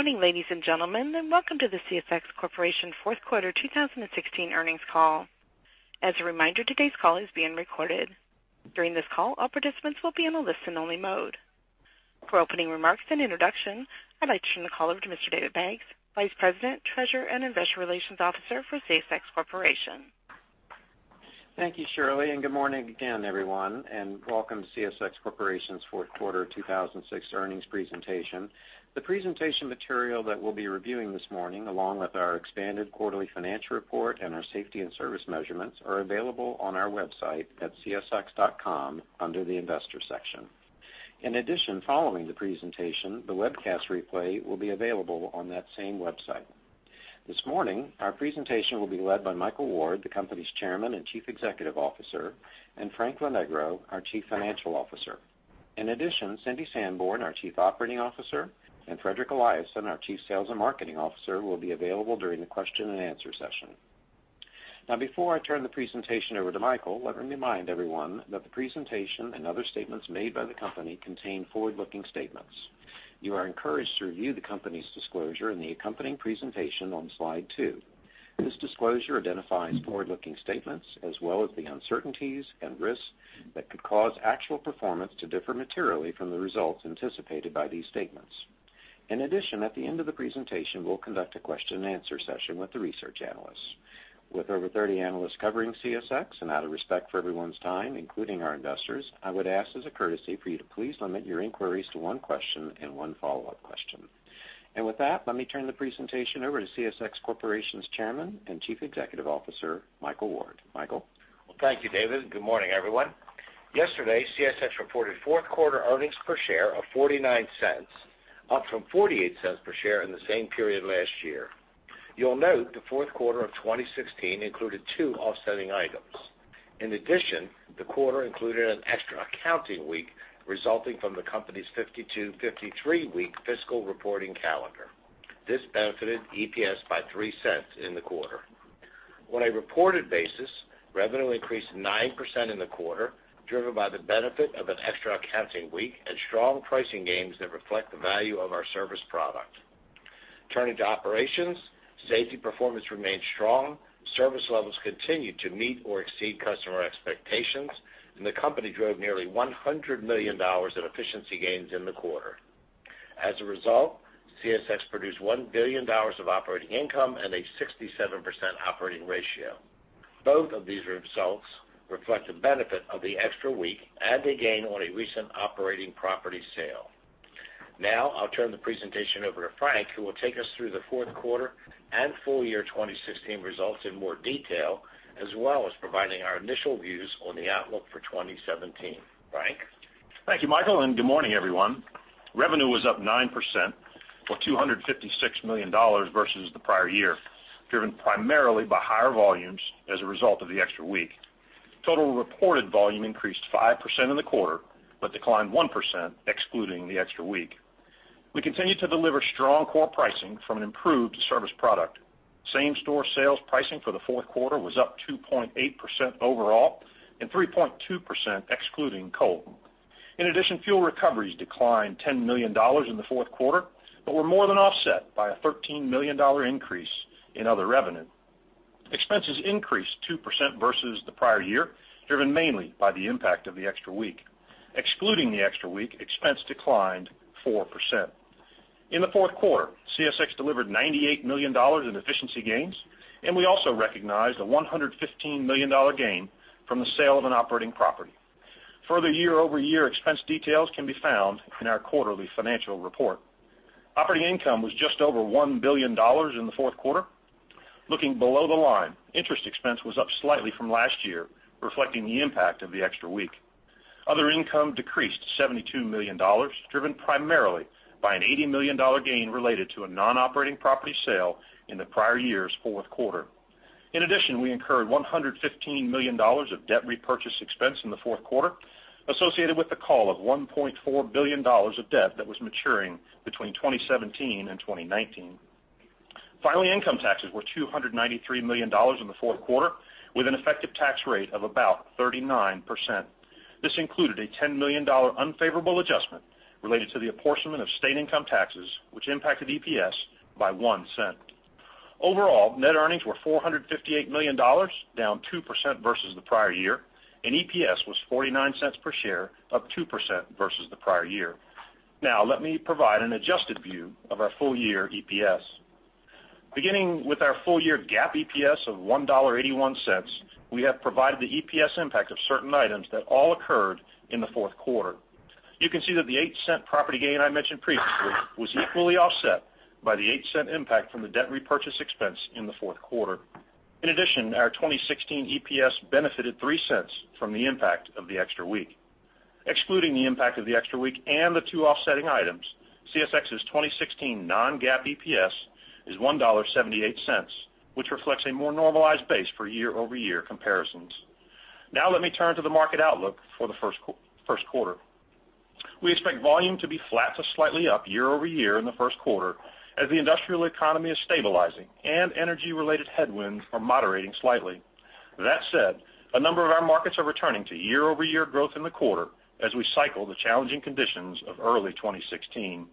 Good morning, ladies and gentlemen, and welcome to the CSX Corporation Fourth Quarter 2016 earnings call. As a reminder, today's call is being recorded. During this call, all participants will be on a listen-only mode. For opening remarks and introduction, I'd like to turn the call over to Mr. David Baggs, Vice President, Treasurer, and Investor Relations Officer for CSX Corporation. Thank you, Shirley, and good morning again, everyone, and welcome to CSX Corporation's Fourth Quarter 2006 earnings presentation. The presentation material that we'll be reviewing this morning, along with our expanded quarterly financial report and our safety and service measurements, are available on our website at csx.com under the Investor section. In addition, following the presentation, the webcast replay will be available on that same website. This morning, our presentation will be led by Michael Ward, the company's Chairman and Chief Executive Officer, and Frank Lonegro, our Chief Financial Officer. In addition, Cindy Sanborn, our Chief Operating Officer, and Fredrik Eliasson, our Chief Sales and Marketing Officer, will be available during the question and answer session. Now, before I turn the presentation over to Michael, let me remind everyone that the presentation and other statements made by the company contain forward-looking statements. You are encouraged to review the company's disclosure in the accompanying presentation on slide two. This disclosure identifies forward-looking statements as well as the uncertainties and risks that could cause actual performance to differ materially from the results anticipated by these statements. In addition, at the end of the presentation, we'll conduct a question and answer session with the research analysts. With over 30 analysts covering CSX, and out of respect for everyone's time, including our investors, I would ask as a courtesy for you to please limit your inquiries to one question and one follow-up question. With that, let me turn the presentation over to CSX Corporation's Chairman and Chief Executive Officer, Michael Ward. Michael. Well, thank you, David, and good morning, everyone. Yesterday, CSX reported fourth quarter earnings per share of $0.49, up from $0.48 per share in the same period last year. You'll note the fourth quarter of 2016 included two offsetting items. In addition, the quarter included an extra accounting week resulting from the company's 52/53 week fiscal reporting calendar. This benefited EPS by $0.03 in the quarter. On a reported basis, revenue increased 9% in the quarter, driven by the benefit of an extra accounting week and strong pricing gains that reflect the value of our service product. Turning to operations, safety performance remained strong, service levels continued to meet or exceed customer expectations, and the company drove nearly $100 million in efficiency gains in the quarter. As a result, CSX produced $1 billion of operating income and a 67% operating ratio. Both of these results reflect the benefit of the extra week and a gain on a recent operating property sale. Now, I'll turn the presentation over to Frank, who will take us through the fourth quarter and full year 2016 results in more detail, as well as providing our initial views on the outlook for 2017. Frank. Thank you, Michael, and good morning, everyone. Revenue was up 9%, or $256 million versus the prior year, driven primarily by higher volumes as a result of the extra week. Total reported volume increased 5% in the quarter but declined 1%, excluding the extra week. We continue to deliver strong core pricing from an improved service product. Same-store sales pricing for the fourth quarter was up 2.8% overall and 3.2%, excluding coal. In addition, fuel recoveries declined $10 million in the fourth quarter but were more than offset by a $13 million increase in other revenue. Expenses increased 2% versus the prior year, driven mainly by the impact of the extra week. Excluding the extra week, expense declined 4%. In the fourth quarter, CSX delivered $98 million in efficiency gains, and we also recognized a $115 million gain from the sale of an operating property. Further year-over-year expense details can be found in our quarterly financial report. Operating income was just over $1 billion in the fourth quarter. Looking below the line, interest expense was up slightly from last year, reflecting the impact of the extra week. Other income decreased $72 million, driven primarily by an $80 million gain related to a non-operating property sale in the prior year's fourth quarter. In addition, we incurred $115 million of debt repurchase expense in the fourth quarter, associated with the call of $1.4 billion of debt that was maturing between 2017 and 2019. Finally, income taxes were $293 million in the fourth quarter, with an effective tax rate of about 39%. This included a $10 million unfavorable adjustment related to the apportionment of state income taxes, which impacted EPS by $0.01. Overall, net earnings were $458 million, down 2% versus the prior year, and EPS was $0.49 per share, up 2% versus the prior year. Now, let me provide an adjusted view of our full year EPS. Beginning with our full year GAAP EPS of $1.81, we have provided the EPS impact of certain items that all occurred in the fourth quarter. You can see that the $0.08 property gain I mentioned previously was equally offset by the $0.08 impact from the debt repurchase expense in the fourth quarter. In addition, our 2016 EPS benefited $0.03 from the impact of the extra week. Excluding the impact of the extra week and the two offsetting items, CSX's 2016 non-GAAP EPS is $1.78, which reflects a more normalized base for year-over-year comparisons. Now, let me turn to the market outlook for the first quarter. We expect volume to be flat to slightly up year-over-year in the first quarter, as the industrial economy is stabilizing and energy-related headwinds are moderating slightly. That said, a number of our markets are returning to year-over-year growth in the quarter as we cycle the challenging conditions of early 2016.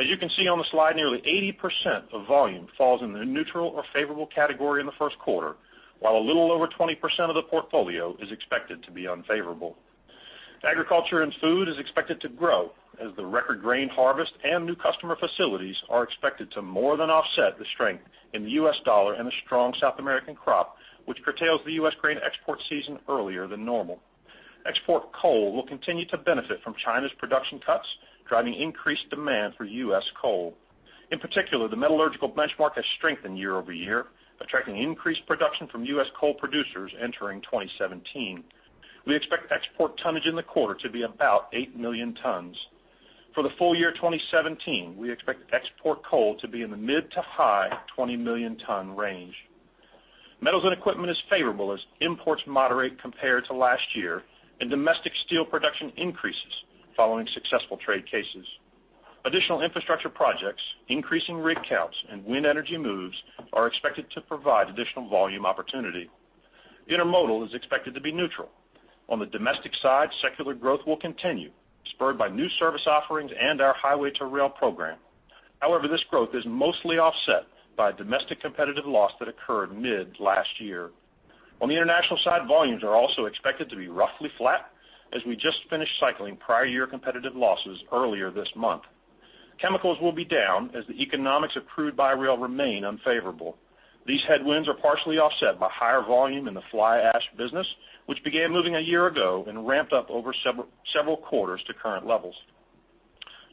As you can see on the slide, nearly 80% of volume falls in the neutral or favorable category in the first quarter, while a little over 20% of the portfolio is expected to be unfavorable. Agriculture and food is expected to grow, as the record grain harvest and new customer facilities are expected to more than offset the strength in the U.S. dollar and the strong South American crop, which curtails the U.S. grain export season earlier than normal. Export coal will continue to benefit from China's production cuts, driving increased demand for U.S. coal. In particular, the metallurgical benchmark has strengthened year-over-year, attracting increased production from U.S. coal producers entering 2017. We expect export tonnage in the quarter to be about 8 million tons. For the full year 2017, we expect export coal to be in the mid to high 20 million-ton range. Metals and equipment is favorable as imports moderate compared to last year, and domestic steel production increases following successful trade cases. Additional infrastructure projects, increasing rig counts, and wind energy moves are expected to provide additional volume opportunity. Intermodal is expected to be neutral. On the domestic side, secular growth will continue, spurred by new service offerings and our Highway-to-Rail program. However, this growth is mostly offset by domestic competitive loss that occurred mid last year. On the international side, volumes are also expected to be roughly flat, as we just finished cycling prior year competitive losses earlier this month. Chemicals will be down, as the economics of crude by rail remain unfavorable. These headwinds are partially offset by higher volume in the fly ash business, which began moving a year ago and ramped up over several quarters to current levels.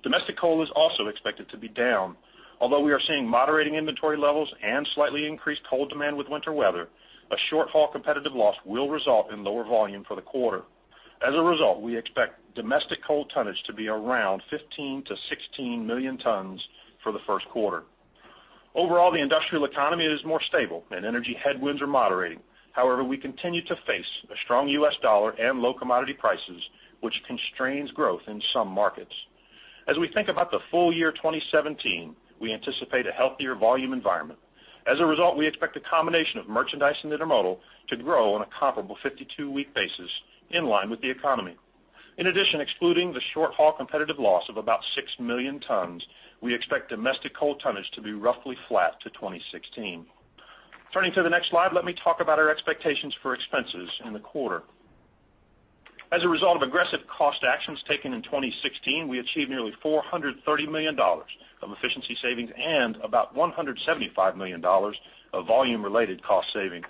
Domestic coal is also expected to be down. Although we are seeing moderating inventory levels and slightly increased coal demand with winter weather, a short-haul competitive loss will result in lower volume for the quarter. As a result, we expect domestic coal tonnage to be around 15-16 million tons for the first quarter. Overall, the industrial economy is more stable, and energy headwinds are moderating. However, we continue to face a strong U.S. dollar and low commodity prices, which constrains growth in some markets. As we think about the full year 2017, we anticipate a healthier volume environment. As a result, we expect a combination of merchandise and intermodal to grow on a comparable 52-week basis in line with the economy. In addition, excluding the short-haul competitive loss of about 6 million tons, we expect domestic coal tonnage to be roughly flat to 2016. Turning to the next slide, let me talk about our expectations for expenses in the quarter. As a result of aggressive cost actions taken in 2016, we achieved nearly $430 million of efficiency savings and about $175 million of volume-related cost savings.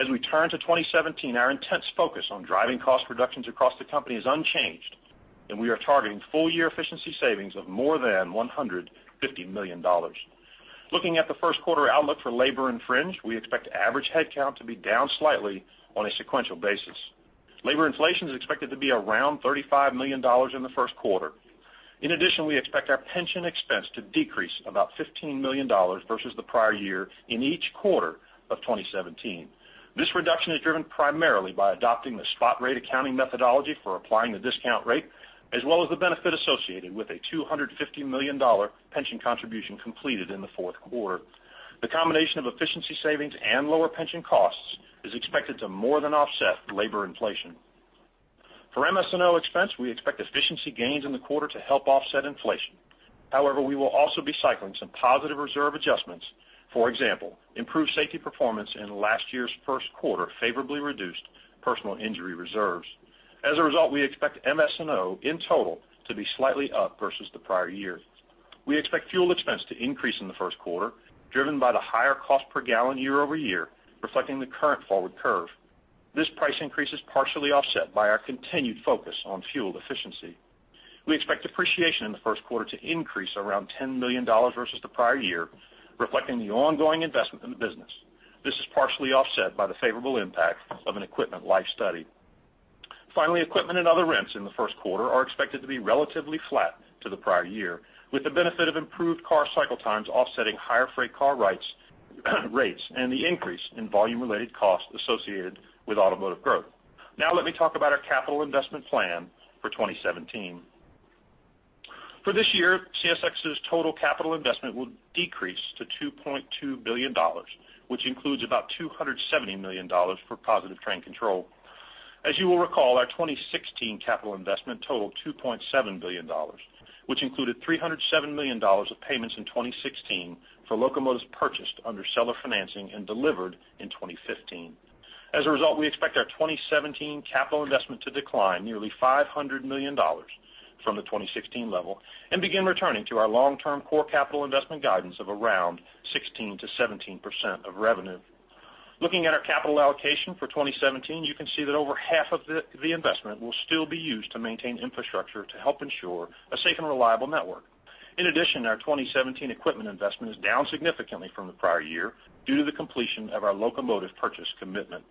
As we turn to 2017, our intense focus on driving cost reductions across the company is unchanged, and we are targeting full year efficiency savings of more than $150 million. Looking at the first quarter outlook for labor and fringe, we expect average headcount to be down slightly on a sequential basis. Labor inflation is expected to be around $35 million in the first quarter. In addition, we expect our pension expense to decrease about $15 million versus the prior year in each quarter of 2017. This reduction is driven primarily by adopting the spot rate accounting methodology for applying the discount rate, as well as the benefit associated with a $250 million pension contribution completed in the fourth quarter. The combination of efficiency savings and lower pension costs is expected to more than offset labor inflation. For MS&O expense, we expect efficiency gains in the quarter to help offset inflation. However, we will also be cycling some positive reserve adjustments. For example, improved safety performance in last year's first quarter favorably reduced personal injury reserves. As a result, we expect MS&O in total to be slightly up versus the prior year. We expect fuel expense to increase in the first quarter, driven by the higher cost per gallon year-over-year, reflecting the current forward curve. This price increase is partially offset by our continued focus on fuel efficiency. We expect depreciation in the first quarter to increase around $10 million versus the prior year, reflecting the ongoing investment in the business. This is partially offset by the favorable impact of an Equipment Life Study. Finally, equipment and other rents in the first quarter are expected to be relatively flat to the prior year, with the benefit of improved car cycle times offsetting higher freight car rates and the increase in volume-related costs associated with automotive growth. Now, let me talk about our capital investment plan for 2017. For this year, CSX's total capital investment will decrease to $2.2 billion, which includes about $270 million for Positive Train Control. As you will recall, our 2016 capital investment totaled $2.7 billion, which included $307 million of payments in 2016 for locomotives purchased under seller financing and delivered in 2015. As a result, we expect our 2017 capital investment to decline nearly $500 million from the 2016 level and begin returning to our long-term core capital investment guidance of around 16%-17% of revenue. Looking at our capital allocation for 2017, you can see that over half of the investment will still be used to maintain infrastructure to help ensure a safe and reliable network. In addition, our 2017 equipment investment is down significantly from the prior year due to the completion of our locomotive purchase commitment.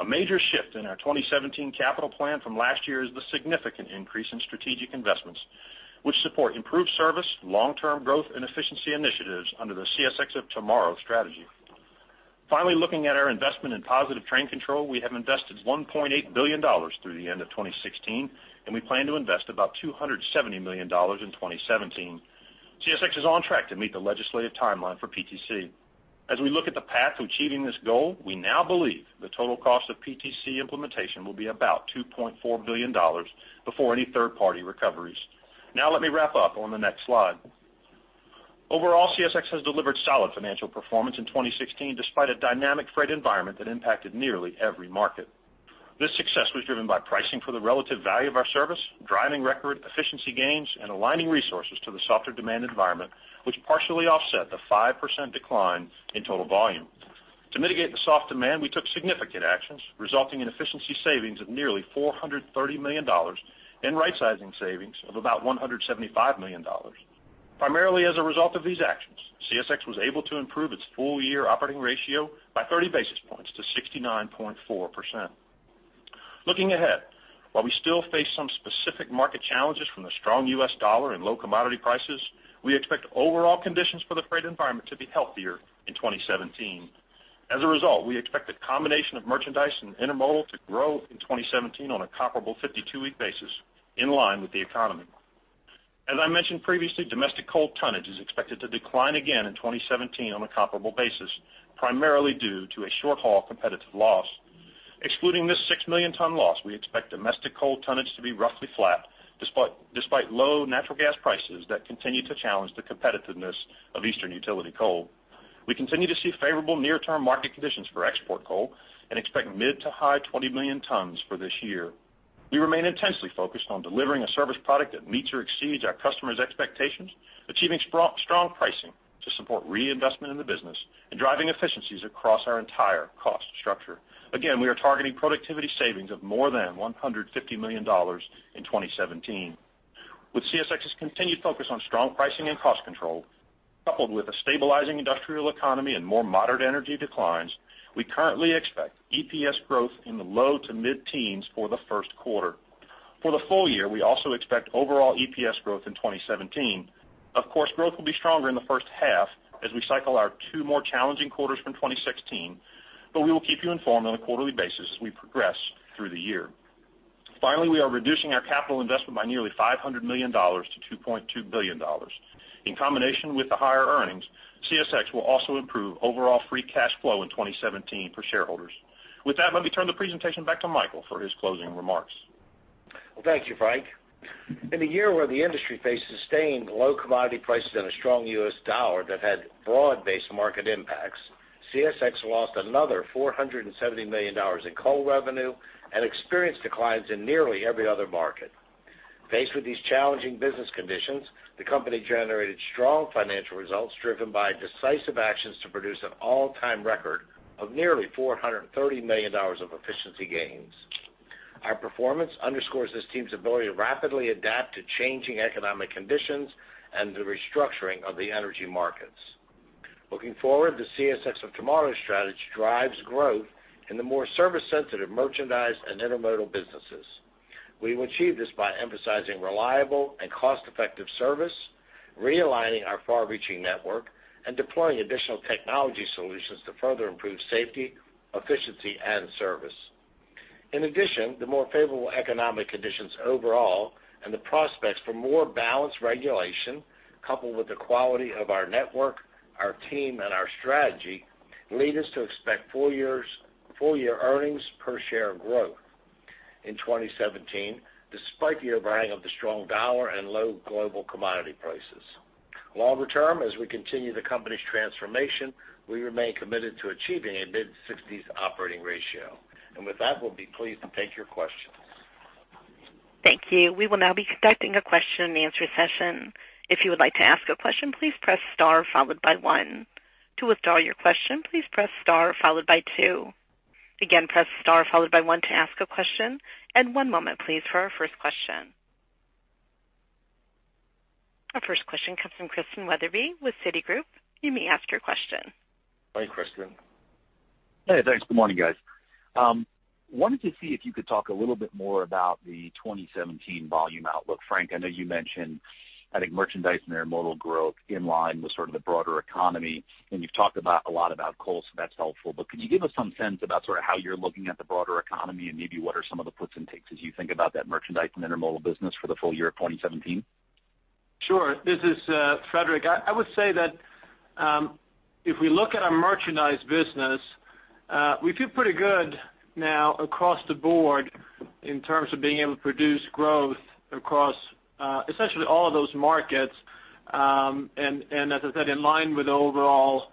A major shift in our 2017 capital plan from last year is the significant increase in strategic investments, which support improved service, long-term growth, and efficiency initiatives under the CSX of Tomorrow strategy. Finally, looking at our investment in Positive Train Control, we have invested $1.8 billion through the end of 2016, and we plan to invest about $270 million in 2017. CSX is on track to meet the legislative timeline for PTC. As we look at the path to achieving this goal, we now believe the total cost of PTC implementation will be about $2.4 billion before any third-party recoveries. Now, let me wrap up on the next slide. Overall, CSX has delivered solid financial performance in 2016, despite a dynamic freight environment that impacted nearly every market. This success was driven by pricing for the relative value of our service, driving record efficiency gains, and aligning resources to the softer demand environment, which partially offset the 5% decline in total volume. To mitigate the soft demand, we took significant actions, resulting in efficiency savings of nearly $430 million and rightsizing savings of about $175 million. Primarily as a result of these actions, CSX was able to improve its full year operating ratio by 30 basis points to 69.4%. Looking ahead, while we still face some specific market challenges from the strong U.S. dollar and low commodity prices, we expect overall conditions for the freight environment to be healthier in 2017. As a result, we expect a combination of merchandise and intermodal to grow in 2017 on a comparable 52-week basis in line with the economy. As I mentioned previously, domestic coal tonnage is expected to decline again in 2017 on a comparable basis, primarily due to a short-haul competitive loss. Excluding this 6 million-ton loss, we expect domestic coal tonnage to be roughly flat, despite low natural gas prices that continue to challenge the competitiveness of Eastern utility coal. We continue to see favorable near-term market conditions for export coal and expect mid to high 20 million tons for this year. We remain intensely focused on delivering a service product that meets or exceeds our customers' expectations, achieving strong pricing to support reinvestment in the business and driving efficiencies across our entire cost structure. Again, we are targeting productivity savings of more than $150 million in 2017. With CSX's continued focus on strong pricing and cost control, coupled with a stabilizing industrial economy and more moderate energy declines, we currently expect EPS growth in the low to mid-teens for the first quarter. For the full year, we also expect overall EPS growth in 2017. Of course, growth will be stronger in the first half as we cycle our two more challenging quarters from 2016, but we will keep you informed on a quarterly basis as we progress through the year. Finally, we are reducing our capital investment by nearly $500 million to $2.2 billion. In combination with the higher earnings, CSX will also improve overall free cash flow in 2017 for shareholders. With that, let me turn the presentation back to Michael for his closing remarks. Thank you, Frank. In a year where the industry faced sustained low commodity prices and a strong U.S. dollar that had broad-based market impacts, CSX lost another $470 million in coal revenue and experienced declines in nearly every other market. Faced with these challenging business conditions, the company generated strong financial results driven by decisive actions to produce an all-time record of nearly $430 million of efficiency gains. Our performance underscores this team's ability to rapidly adapt to changing economic conditions and the restructuring of the energy markets. Looking forward, the CSX of Tomorrow strategy drives growth in the more service-sensitive merchandise and intermodal businesses. We will achieve this by emphasizing reliable and cost-effective service, realigning our far-reaching network, and deploying additional technology solutions to further improve safety, efficiency, and service. In addition, the more favorable economic conditions overall and the prospects for more balanced regulation, coupled with the quality of our network, our team, and our strategy, lead us to expect full year earnings per share growth in 2017, despite the overhang of the strong dollar and low global commodity prices. Longer term, as we continue the company's transformation, we remain committed to achieving a mid-60s operating ratio. And with that, we'll be pleased to take your questions. Thank you. We will now be conducting a question-and-answer session. If you would like to ask a question, please press star followed by one. To withdraw your question, please press star followed by two. Again, press star followed by one to ask a question. One moment, please, for our first question. Our first question comes from Christian Wetherbee with Citigroup. You may ask your question. Hi, Christian. Hey, thanks. Good morning, guys. Wanted to see if you could talk a little bit more about the 2017 volume outlook. Frank, I know you mentioned, I think, merchandise and intermodal growth in line with sort of the broader economy. And you've talked a lot about coal, so that's helpful. But could you give us some sense about sort of how you're looking at the broader economy and maybe what are some of the puts and takes as you think about that merchandise and intermodal business for the full year of 2017? Sure. This is Fredrik. I would say that if we look at our merchandise business, we feel pretty good now across the board in terms of being able to produce growth across essentially all of those markets. And as I said, in line with the overall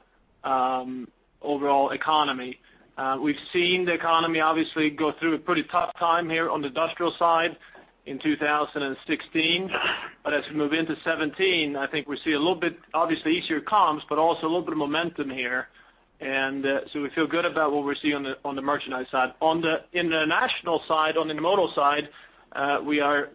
economy, we've seen the economy obviously go through a pretty tough time here on the industrial side in 2016. But as we move into 2017, I think we see a little bit, obviously, easier comps, but also a little bit of momentum here. And so we feel good about what we're seeing on the merchandise side. On the international side, on the intermodal side, we are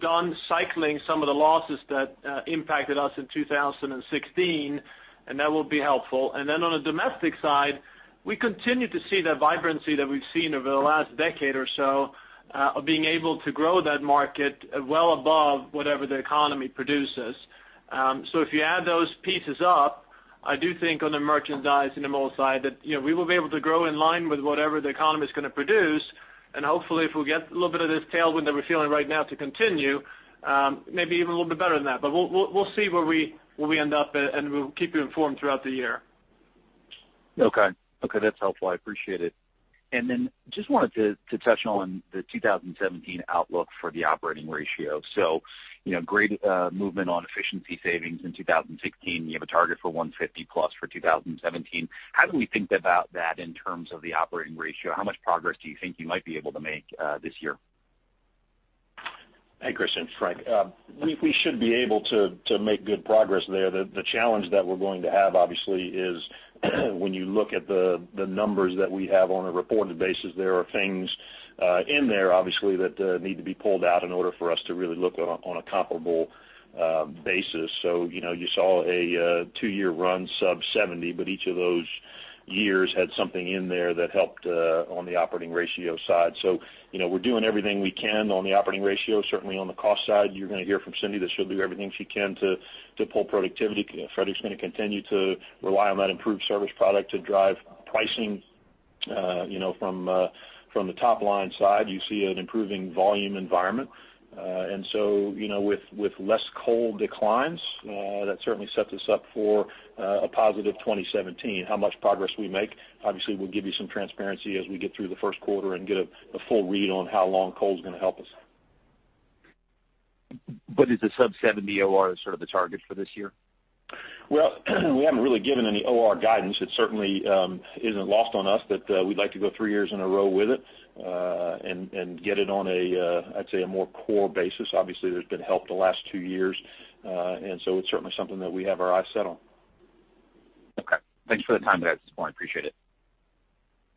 done cycling some of the losses that impacted us in 2016, and that will be helpful. Then on the domestic side, we continue to see the vibrancy that we've seen over the last decade or so of being able to grow that market well above whatever the economy produces. So if you add those pieces up, I do think on the merchandise and intermodal side that we will be able to grow in line with whatever the economy is going to produce. And hopefully, if we get a little bit of this tailwind that we're feeling right now to continue, maybe even a little bit better than that. But we'll see where we end up, and we'll keep you informed throughout the year. Okay. Okay. That's helpful. I appreciate it. And then just wanted to touch on the 2017 outlook for the operating ratio. So great movement on efficiency savings in 2016. You have a target for 150+ for 2017. How do we think about that in terms of the operating ratio? How much progress do you think you might be able to make this year? Hey, Christian, Frank. We should be able to make good progress there. The challenge that we're going to have, obviously, is when you look at the numbers that we have on a reported basis, there are things in there, obviously, that need to be pulled out in order for us to really look on a comparable basis. So you saw a two-year run sub-70, but each of those years had something in there that helped on the operating ratio side. So we're doing everything we can on the operating ratio. Certainly, on the cost side, you're going to hear from Cindy that she'll do everything she can to pull productivity. Fredrik's going to continue to rely on that improved service product to drive pricing from the top-line side. You see an improving volume environment. And so with less coal declines, that certainly sets us up for a positive 2017. How much progress we make, obviously, we'll give you some transparency as we get through the first quarter and get a full read on how long coal is going to help us. Is the sub-70 OR sort of the target for this year? Well, we haven't really given any OR guidance. It certainly isn't lost on us that we'd like to go three years in a row with it and get it on a, I'd say, a more core basis. Obviously, there's been help the last two years, and so it's certainly something that we have our eyes set on. Okay. Thanks for the time today, at this point. Appreciate it.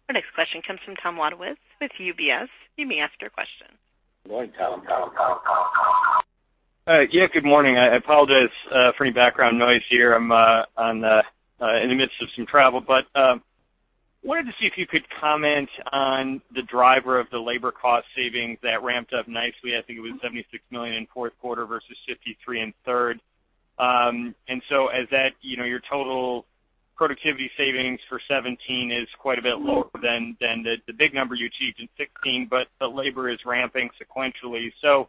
Our next question comes from Tom Wadewitz with UBS. You may ask your question. Good morning, Tom. Yeah, good morning. I apologize for any background noise here. I'm in the midst of some travel. But wanted to see if you could comment on the driver of the labor cost savings that ramped up nicely. I think it was $76 million in fourth quarter versus $53 million in third. And so as that, your total productivity savings for 2017 is quite a bit lower than the big number you achieved in 2016, but labor is ramping sequentially. So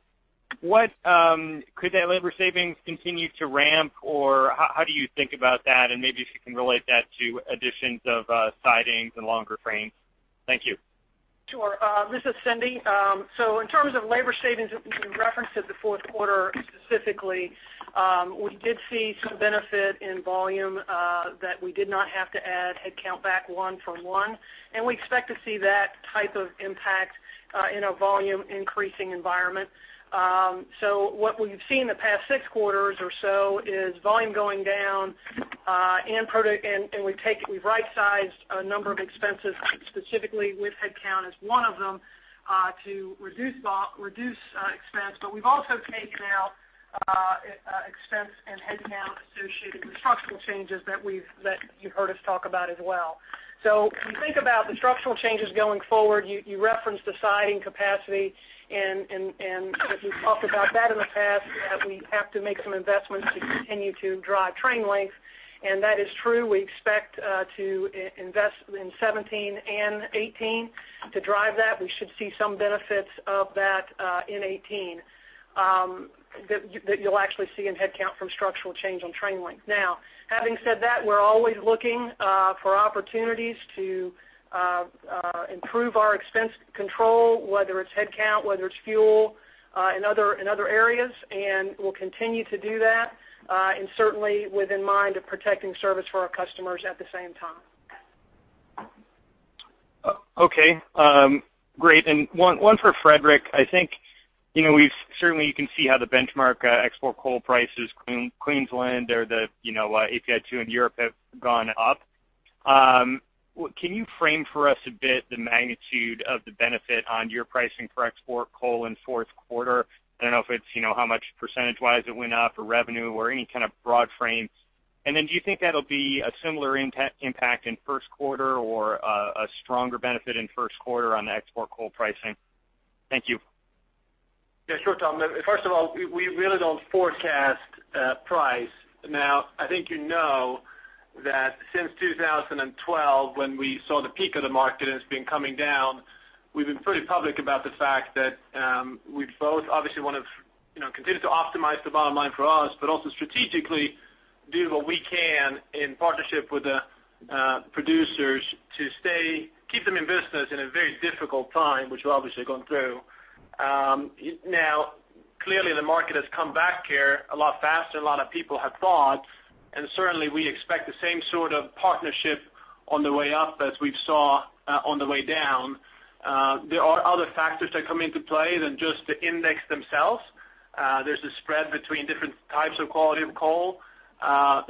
could that labor savings continue to ramp, or how do you think about that? And maybe if you can relate that to additions of sidings and longer frames. Thank you. Sure. This is Cindy. So in terms of labor savings, you referenced it in the fourth quarter specifically. We did see some benefit in volume that we did not have to add headcount back one for one. And we expect to see that type of impact in a volume-increasing environment. So what we've seen the past six quarters or so is volume going down, and we've right-sized a number of expenses, specifically with headcount as one of them, to reduce expense. But we've also taken out expense and headcount associated with structural changes that you've heard us talk about as well. So if you think about the structural changes going forward, you referenced the siding capacity, and we've talked about that in the past, that we have to make some investments to continue to drive train length. And that is true. We expect to invest in 2017 and 2018 to drive that. We should see some benefits of that in 2018 that you'll actually see in headcount from structural change on train length. Now, having said that, we're always looking for opportunities to improve our expense control, whether it's headcount, whether it's fuel, and other areas. We'll continue to do that, and certainly with in mind of protecting service for our customers at the same time. Okay. Great. And one for Fredrik. I think certainly you can see how the benchmark export coal prices in Queensland or the API-2 in Europe have gone up. Can you frame for us a bit the magnitude of the benefit on your pricing for export coal in fourth quarter? I don't know if it's how much percentage-wise it went up or revenue or any kind of broad frame. And then do you think that'll be a similar impact in first quarter or a stronger benefit in first quarter on the export coal pricing? Thank you. Yeah, sure, Tom. First of all, we really don't forecast price. Now, I think you know that since 2012, when we saw the peak of the market and it's been coming down, we've been pretty public about the fact that we both obviously want to continue to optimize the bottom line for us, but also strategically do what we can in partnership with the producers to keep them in business in a very difficult time, which we're obviously going through. Now, clearly, the market has come back here a lot faster than a lot of people had thought. And certainly, we expect the same sort of partnership on the way up as we've saw on the way down. There are other factors that come into play than just the index themselves. There's a spread between different types of quality of coal.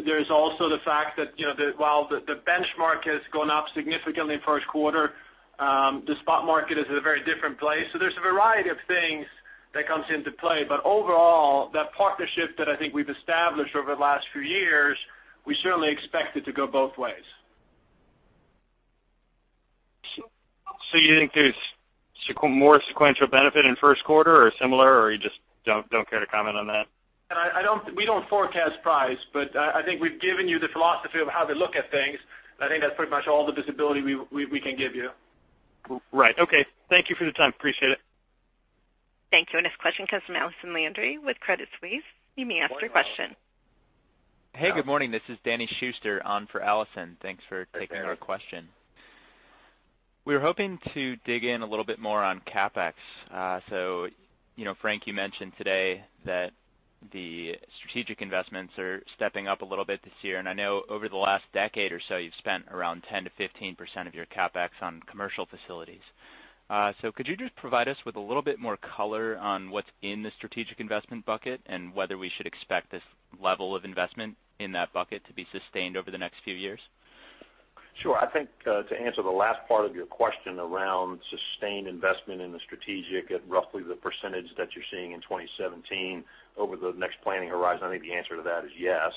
There's also the fact that while the benchmark has gone up significantly in first quarter, the spot market is in a very different place. So there's a variety of things that comes into play. But overall, that partnership that I think we've established over the last few years, we certainly expect it to go both ways. So you think there's more sequential benefit in first quarter or similar, or you just don't care to comment on that? We don't forecast price, but I think we've given you the philosophy of how to look at things. I think that's pretty much all the visibility we can give you. Right. Okay. Thank you for the time. Appreciate it. Thank you. Our next question comes from Allison Landry with Credit Suisse. You may ask your question. Hey, good morning. This is Danny Schuster on for Allison. Thanks for taking our question. We were hoping to dig in a little bit more on CapEx. So, Frank, you mentioned today that the strategic investments are stepping up a little bit this year. And I know over the last decade or so, you've spent around 10%-15% of your CapEx on commercial facilities. So could you just provide us with a little bit more color on what's in the strategic investment bucket and whether we should expect this level of investment in that bucket to be sustained over the next few years? Sure. I think to answer the last part of your question around sustained investment in the strategic at roughly the percentage that you're seeing in 2017 over the next planning horizon, I think the answer to that is yes.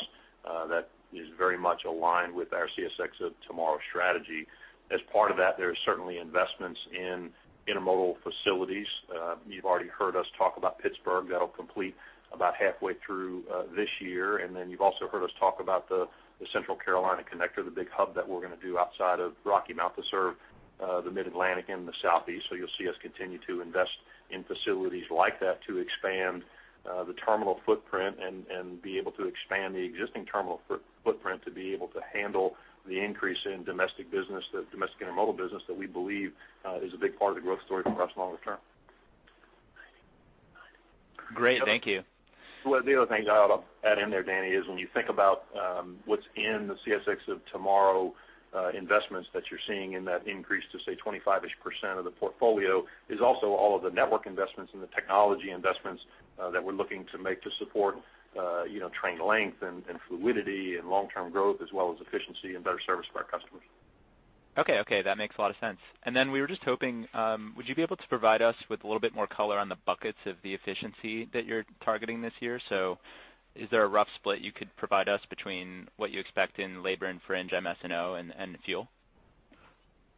That is very much aligned with our CSX of Tomorrow strategy. As part of that, there are certainly investments in intermodal facilities. You've already heard us talk about Pittsburgh. That'll complete about halfway through this year. And then you've also heard us talk about the Carolina Connector, the big hub that we're going to do outside of Rocky Mount to serve the Mid-Atlantic and the Southeast. You'll see us continue to invest in facilities like that to expand the terminal footprint and be able to expand the existing terminal footprint to be able to handle the increase in domestic business, the domestic intermodal business that we believe is a big part of the growth story for us longer term. Great. Thank you. Well, the other thing I'll add in there, Danny, is when you think about what's in the CSX of Tomorrow investments that you're seeing in that increase to say 25%-ish of the portfolio, it's also all of the network investments and the technology investments that we're looking to make to support train length and fluidity and long-term growth as well as efficiency and better service for our customers. Okay. Okay. That makes a lot of sense. And then we were just hoping, would you be able to provide us with a little bit more color on the buckets of the efficiency that you're targeting this year? So is there a rough split you could provide us between what you expect in labor and fringe, MS&O, and fuel?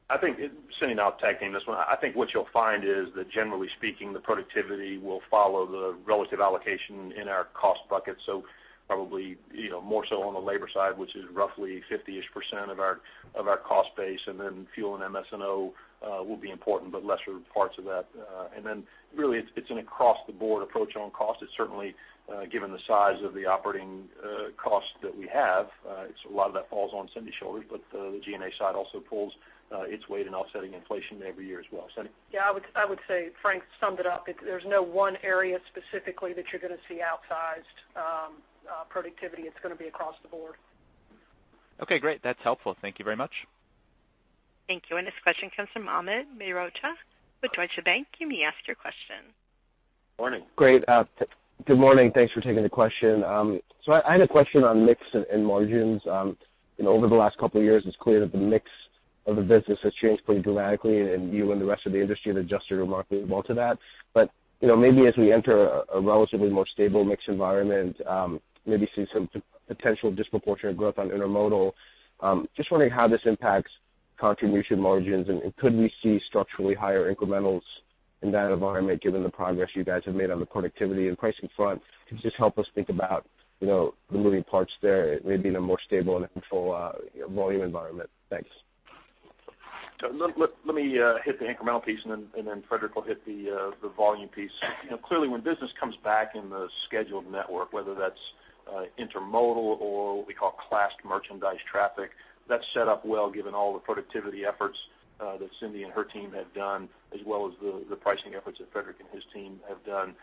I think, sending out a tag team this one, I think what you'll find is that, generally speaking, the productivity will follow the relative allocation in our cost bucket. So probably more so on the labor side, which is roughly 50-ish% of our cost base. And then fuel and MS&O will be important, but lesser parts of that. And then really, it's an across-the-board approach on cost. It's certainly, given the size of the operating costs that we have, a lot of that falls on Cindy's shoulders, but the G&A side also pulls its weight in offsetting inflation every year as well. Yeah. I would say, Frank, summed it up. There's no one area specifically that you're going to see outsized productivity. It's going to be across the board. Okay. Great. That's helpful. Thank you very much. Thank you. Our next question comes from Amit Mehrotra with Deutsche Bank. You may ask your question. Morning. Great. Good morning. Thanks for taking the question. So I had a question on mix and margins. Over the last couple of years, it's clear that the mix of the business has changed pretty dramatically, and you and the rest of the industry have adjusted remarkably well to that. But maybe as we enter a relatively more stable mix environment, maybe see some potential disproportionate growth on intermodal. Just wondering how this impacts contribution margins, and could we see structurally higher incrementals in that environment, given the progress you guys have made on the productivity and pricing front? Just help us think about the moving parts there, maybe in a more stable and neutral volume environment. Thanks. Let me hit the incremental piece, and then Fredrik will hit the volume piece. Clearly, when business comes back in the scheduled network, whether that's intermodal or what we call classed merchandise traffic, that's set up well given all the productivity efforts that Cindy and her team have done, as well as the pricing efforts that Fredrik and his team have done.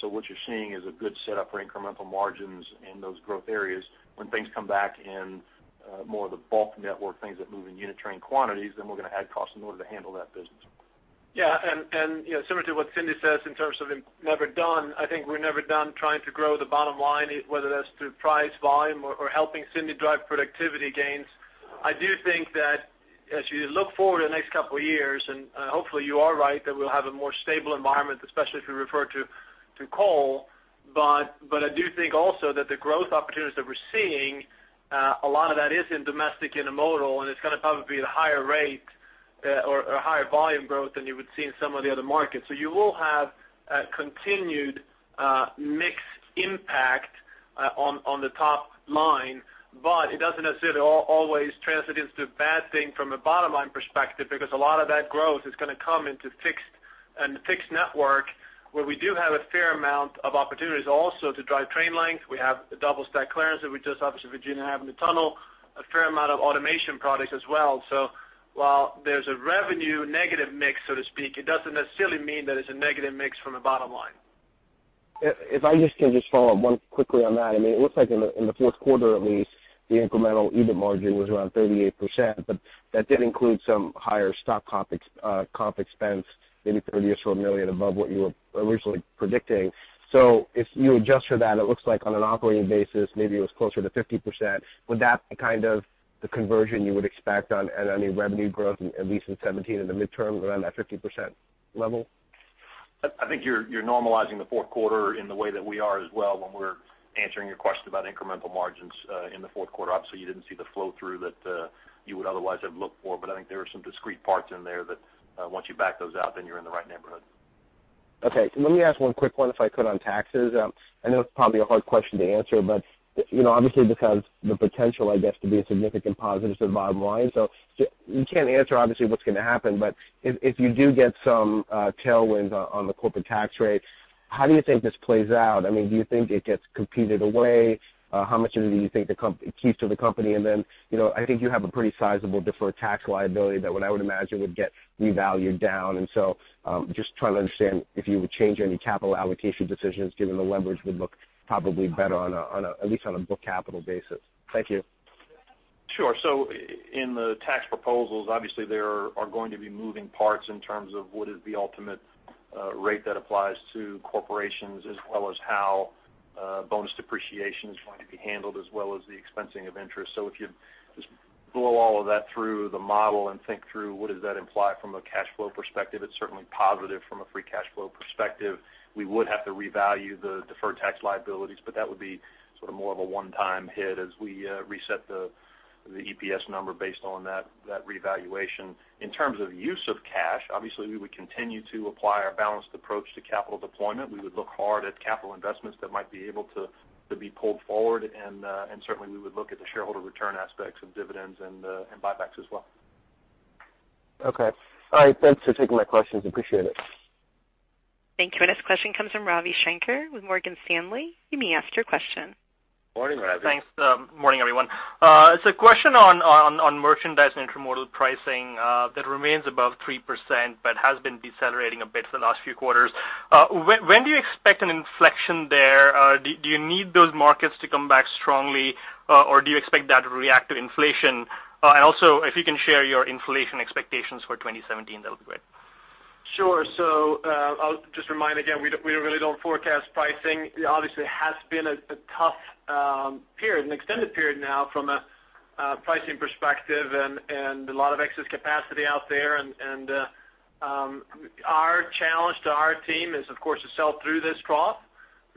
So what you're seeing is a good setup for incremental margins in those growth areas. When things come back in more of the bulk network, things that move in unit train quantities, then we're going to add cost in order to handle that business. Yeah. And similar to what Cindy says in terms of never done, I think we're never done trying to grow the bottom line, whether that's through price, volume, or helping Cindy drive productivity gains. I do think that as you look forward to the next couple of years, and hopefully you are right that we'll have a more stable environment, especially if you refer to coal. But I do think also that the growth opportunities that we're seeing, a lot of that is in domestic intermodal, and it's going to probably be at a higher rate or higher volume growth than you would see in some of the other markets. So you will have continued mixed impact on the top line, but it doesn't necessarily always translate into a bad thing from a bottom-line perspective because a lot of that growth is going to come into fixed and fixed network where we do have a fair amount of opportunities also to drive train length. We have double-stack clearance that we just have, obviously, in Virginia in the tunnel, a fair amount of automation products as well. So while there's a revenue negative mix, so to speak, it doesn't necessarily mean that it's a negative mix from a bottom line. If I can just follow up quickly on that. I mean, it looks like in the fourth quarter at least, the incremental EBIT margin was around 38%, but that did include some higher stock comp expense, maybe $30 million or so above what you were originally predicting. So if you adjust for that, it looks like on an operating basis, maybe it was closer to 50%. Would that be kind of the conversion you would expect on any revenue growth, at least in 2017 in the midterm, around that 50% level? I think you're normalizing the fourth quarter in the way that we are as well when we're answering your question about incremental margins in the fourth quarter. Obviously, you didn't see the flow-through that you would otherwise have looked for, but I think there are some discrete parts in there that once you back those out, then you're in the right neighborhood. Okay. Let me ask one quick one if I could on taxes. I know it's probably a hard question to answer, but obviously this has the potential, I guess, to be a significant positive to the bottom line. So you can't answer obviously what's going to happen, but if you do get some tailwinds on the corporate tax rate, how do you think this plays out? I mean, do you think it gets competed away? How much of it do you think it keeps to the company? And then I think you have a pretty sizable deferred tax liability that what I would imagine would get revalued down. And so just trying to understand if you would change any capital allocation decisions, given the leverage would look probably better on at least on a book capital basis. Thank you. Sure. So in the tax proposals, obviously there are going to be moving parts in terms of what is the ultimate rate that applies to corporations as well as how bonus depreciation is going to be handled as well as the expensing of interest. So if you just blow all of that through the model and think through what does that imply from a cash flow perspective, it's certainly positive from a free cash flow perspective. We would have to revalue the deferred tax liabilities, but that would be sort of more of a one-time hit as we reset the EPS number based on that revaluation. In terms of use of cash, obviously we would continue to apply our balanced approach to capital deployment. We would look hard at capital investments that might be able to be pulled forward, and certainly we would look at the shareholder return aspects of dividends and buybacks as well. Okay. All right. Thanks for taking my questions. Appreciate it. Thank you. Our next question comes from Ravi Shanker with Morgan Stanley. You may ask your question. Morning, Ravi. Thanks. Morning, everyone. It's a question on merchandise and intermodal pricing that remains above 3% but has been decelerating a bit for the last few quarters. When do you expect an inflection there? Do you need those markets to come back strongly, or do you expect that to react to inflation? And also, if you can share your inflation expectations for 2017, that'll be great. Sure. So I'll just remind again, we really don't forecast pricing. Obviously, it has been a tough period, an extended period now from a pricing perspective and a lot of excess capacity out there. And our challenge to our team is, of course, to sell through this trough,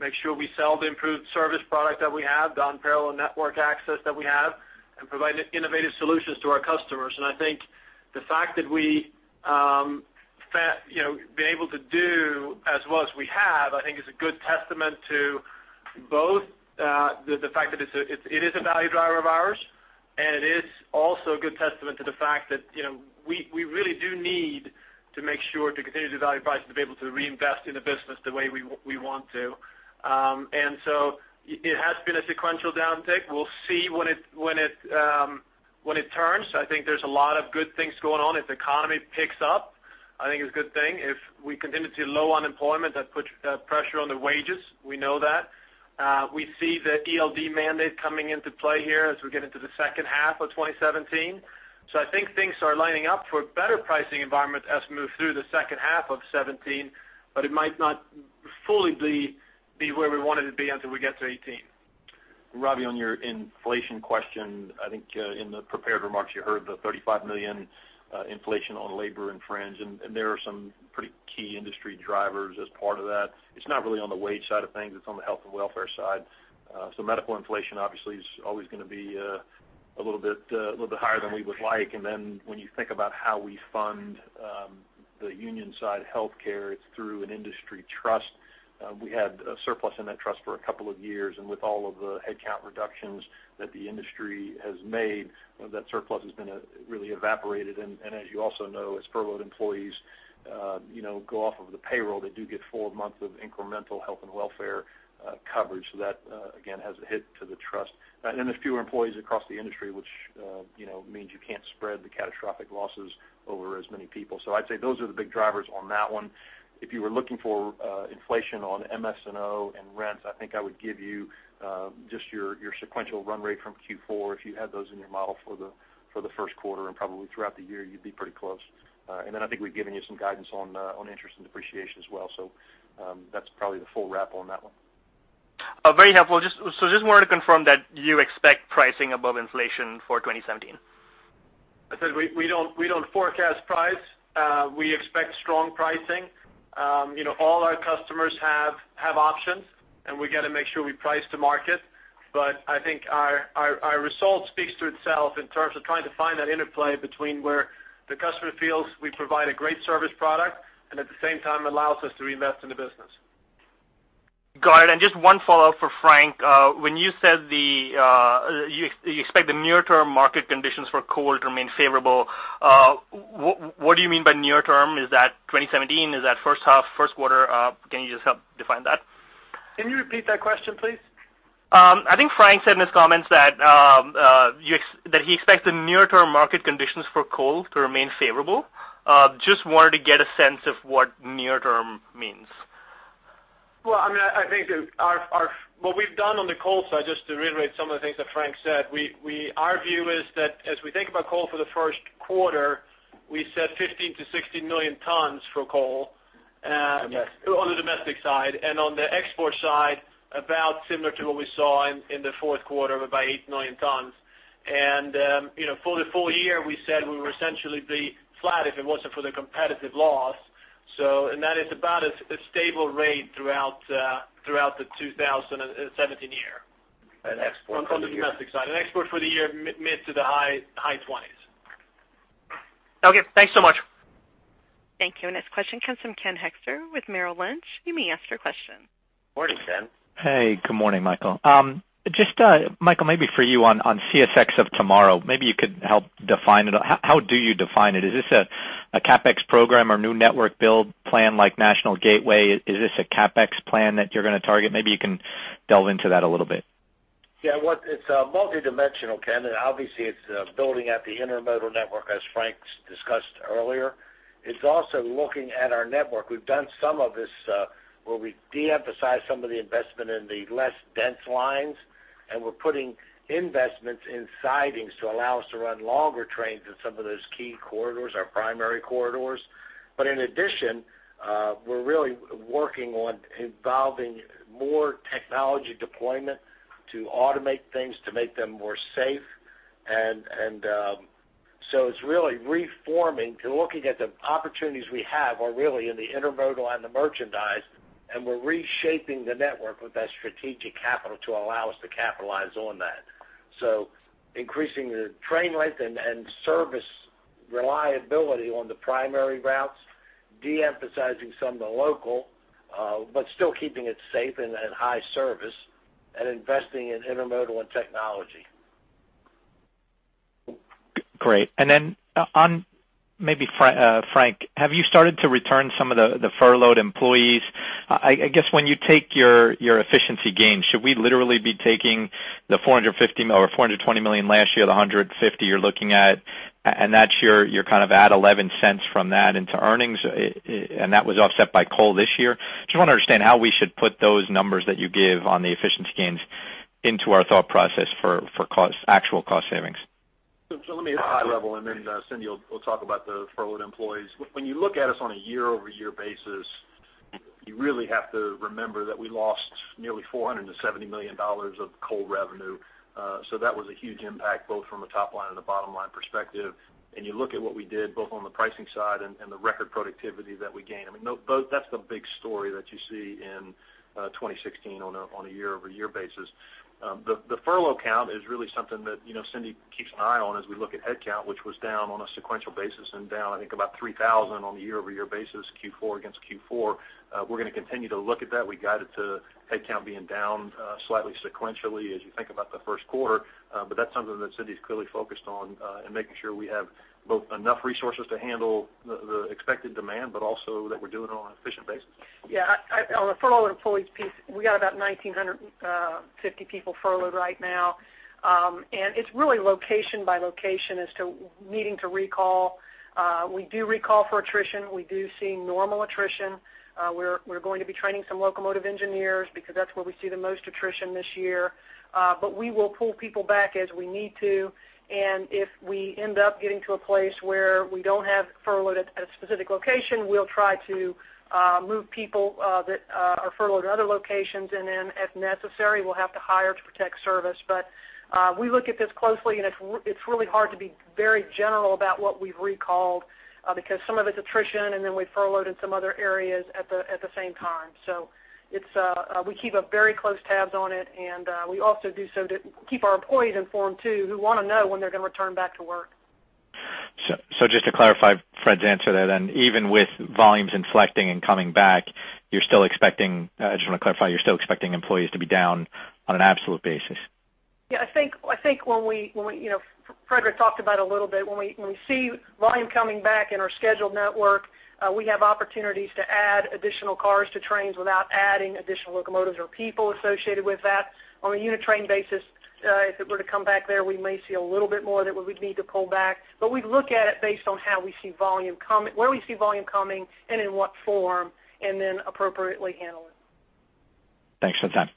make sure we sell the improved service product that we have, the unparalleled network access that we have, and provide innovative solutions to our customers. And I think the fact that we've been able to do as well as we have, I think, is a good testament to both the fact that it is a value driver of ours, and it is also a good testament to the fact that we really do need to make sure to continue to value price and to be able to reinvest in the business the way we want to. And so it has been a sequential downtick. We'll see when it turns. I think there's a lot of good things going on. If the economy picks up, I think it's a good thing. If we continue to see low unemployment, that puts pressure on the wages. We know that. We see the ELD mandate coming into play here as we get into the second half of 2017. So I think things are lining up for a better pricing environment as we move through the second half of 2017, but it might not fully be where we want it to be until we get to 2018. Ravi, on your inflation question, I think in the prepared remarks, you heard the $35 million inflation on labor and fringe, and there are some pretty key industry drivers as part of that. It's not really on the wage side of things. It's on the health and welfare side. So medical inflation obviously is always going to be a little bit higher than we would like. And then when you think about how we fund the union-side healthcare, it's through an industry trust. We had a surplus in that trust for a couple of years, and with all of the headcount reductions that the industry has made, that surplus has been really evaporated. And as you also know, as furloughed employees go off of the payroll, they do get full months of incremental health and welfare coverage. So that, again, has a hit to the trust. And then there's fewer employees across the industry, which means you can't spread the catastrophic losses over as many people. So I'd say those are the big drivers on that one. If you were looking for inflation on MS&O and rents, I think I would give you just your sequential run rate from Q4. If you had those in your model for the first quarter and probably throughout the year, you'd be pretty close. And then I think we've given you some guidance on interest and depreciation as well. So that's probably the full wrap on that one. Very helpful. So just wanted to confirm that you expect pricing above inflation for 2017? I said we don't forecast price. We expect strong pricing. All our customers have options, and we got to make sure we price to market. But I think our result speaks to itself in terms of trying to find that interplay between where the customer feels we provide a great service product and at the same time allows us to reinvest in the business. Got it. And just one follow-up for Frank. When you said you expect the near-term market conditions for coal to remain favorable, what do you mean by near-term? Is that 2017? Is that first half, first quarter? Can you just help define that? Can you repeat that question, please? I think Frank said in his comments that he expects the near-term market conditions for coal to remain favorable. Just wanted to get a sense of what near-term means. Well, I mean, I think what we've done on the coal side, just to reiterate some of the things that Frank said, our view is that as we think about coal for the first quarter, we said 15 million-16 million tons for coal on the domestic side. On the export side, about similar to what we saw in the fourth quarter, about 8 million tons. For the full year, we said we were essentially flat if it wasn't for the competitive loss. That is about a stable rate throughout the 2017 year. And export. On the domestic side, an export for the year mid- to the high 20s. Okay. Thanks so much. Thank you. Our next question comes from Ken Hoexter with Merrill Lynch. You may ask your question. Morning, Ken. Hey. Good morning, Michael. Just, Michael, maybe for you on CSX of Tomorrow, maybe you could help define it. How do you define it? Is this a CapEx program or new network build plan like National Gateway? Is this a CapEx plan that you're going to target? Maybe you can delve into that a little bit. Yeah. It's multidimensional, Ken. And obviously, it's building at the intermodal network, as Frank discussed earlier. It's also looking at our network. We've done some of this where we de-emphasize some of the investment in the less dense lines, and we're putting investments in sidings to allow us to run longer trains in some of those key corridors, our primary corridors. But in addition, we're really working on involving more technology deployment to automate things to make them more safe. And so it's really reforming to looking at the opportunities we have are really in the intermodal and the merchandise, and we're reshaping the network with that strategic capital to allow us to capitalize on that. So increasing the train length and service reliability on the primary routes, de-emphasizing some of the local, but still keeping it safe and high service, and investing in intermodal and technology. Great. And then on maybe Frank, have you started to return some of the furloughed employees? I guess when you take your efficiency gains, should we literally be taking the $450 million or $420 million last year, the $150 million you're looking at, and that's your kind of add $0.11 cents from that into earnings? And that was offset by coal this year. Just want to understand how we should put those numbers that you give on the efficiency gains into our thought process for actual cost savings. So let me high level, and then Cindy, we'll talk about the furloughed employees. When you look at us on a year-over-year basis, you really have to remember that we lost nearly $470 million of coal revenue. So that was a huge impact both from a top-line and a bottom-line perspective. And you look at what we did both on the pricing side and the record productivity that we gained. I mean, that's the big story that you see in 2016 on a year-over-year basis. The furlough count is really something that Cindy keeps an eye on as we look at headcount, which was down on a sequential basis and down, I think, about 3,000 on a year-over-year basis Q4 against Q4. We're going to continue to look at that. We guided to headcount being down slightly sequentially as you think about the first quarter, but that's something that Cindy's clearly focused on and making sure we have both enough resources to handle the expected demand, but also that we're doing it on an efficient basis. Yeah. On the furloughed employees piece, we got about 1,950 people furloughed right now. It's really location by location as to needing to recall. We do recall for attrition. We do see normal attrition. We're going to be training some locomotive engineers because that's where we see the most attrition this year. But we will pull people back as we need to. If we end up getting to a place where we don't have furloughed at a specific location, we'll try to move people that are furloughed in other locations. Then if necessary, we'll have to hire to protect service. But we look at this closely, and it's really hard to be very general about what we've recalled because some of it's attrition, and then we've furloughed in some other areas at the same time. We keep a very close tabs on it, and we also do so to keep our employees informed too who want to know when they're going to return back to work. Just to clarify Fred's answer there then, even with volumes inflecting and coming back, you're still expecting—I just want to clarify—you're still expecting employees to be down on an absolute basis. Yeah. I think when we, Fredrik talked about it a little bit, when we see volume coming back in our scheduled network, we have opportunities to add additional cars to trains without adding additional locomotives or people associated with that. On a unit train basis, if it were to come back there, we may see a little bit more that we would need to pull back. But we look at it based on how we see volume coming, where we see volume coming and in what form, and then appropriately handle it. Thanks. That's it.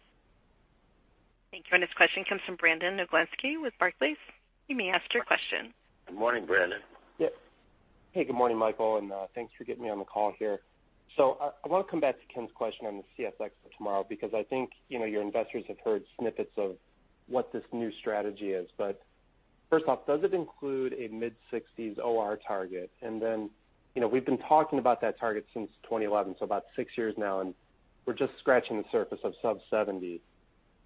Thank you. Our next question comes from Brandon Oglenski with Barclays. You may ask your question. Good morning, Brandon. Yep. Hey, good morning, Michael. And thanks for getting me on the call here. So I want to come back to Ken's question on the CSX of Tomorrow because I think your investors have heard snippets of what this new strategy is. But first off, does it include a mid-60s OR target? And then we've been talking about that target since 2011, so about six years now, and we're just scratching the surface of sub-70.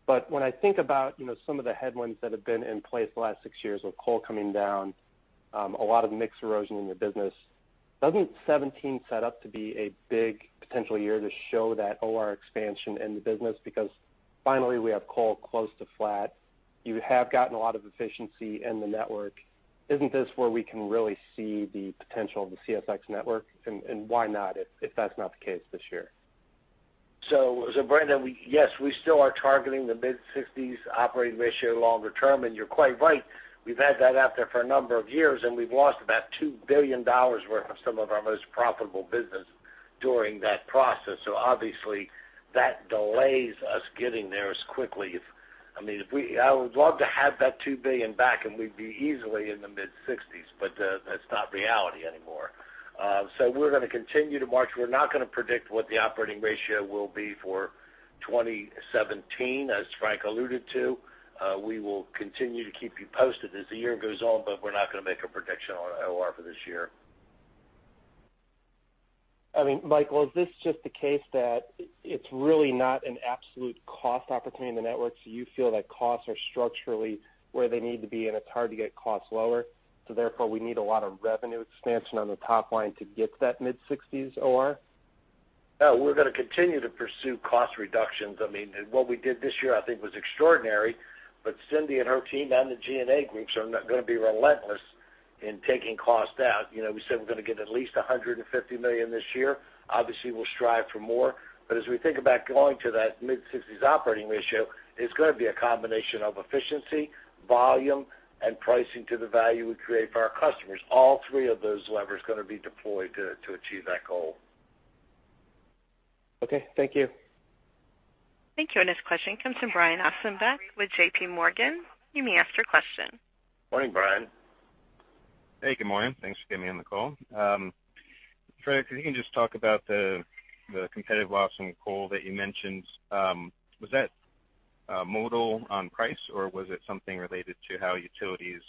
But when I think about some of the headwinds that have been in place the last six years with coal coming down, a lot of mix erosion in the business, doesn't 2017 set up to be a big potential year to show that OR expansion in the business? Because finally, we have coal close to flat. You have gotten a lot of efficiency in the network. Isn't this where we can really see the potential of the CSX network? And why not if that's not the case this year? So Brandon, yes, we still are targeting the mid-60s operating ratio longer term. And you're quite right. We've had that out there for a number of years, and we've lost about $2 billion worth of some of our most profitable business during that process. So obviously, that delays us getting there as quickly. I mean, I would love to have that $2 billion back, and we'd be easily in the mid-60s, but that's not reality anymore. So we're going to continue to march. We're not going to predict what the operating ratio will be for 2017, as Frank alluded to. We will continue to keep you posted as the year goes on, but we're not going to make a prediction on OR for this year. I mean, Michael, is this just the case that it's really not an absolute cost opportunity in the network? So you feel that costs are structurally where they need to be, and it's hard to get costs lower. So therefore, we need a lot of revenue expansion on the top line to get that mid-60s OR? Oh, we're going to continue to pursue cost reductions. I mean, what we did this year, I think, was extraordinary. But Cindy and her team and the G&A groups are going to be relentless in taking costs out. We said we're going to get at least $150 million this year. Obviously, we'll strive for more. But as we think about going to that mid-60s operating ratio, it's going to be a combination of efficiency, volume, and pricing to the value we create for our customers. All three of those levers are going to be deployed to achieve that goal. Okay. Thank you. Thank you. Our next question comes from Brian Ossenbeck with JPMorgan. You may ask your question. Morning, Brian. Hey, good morning. Thanks for getting me on the call. Fred, if you can just talk about the competitive loss in coal that you mentioned. Was that modal on price, or was it something related to how utilities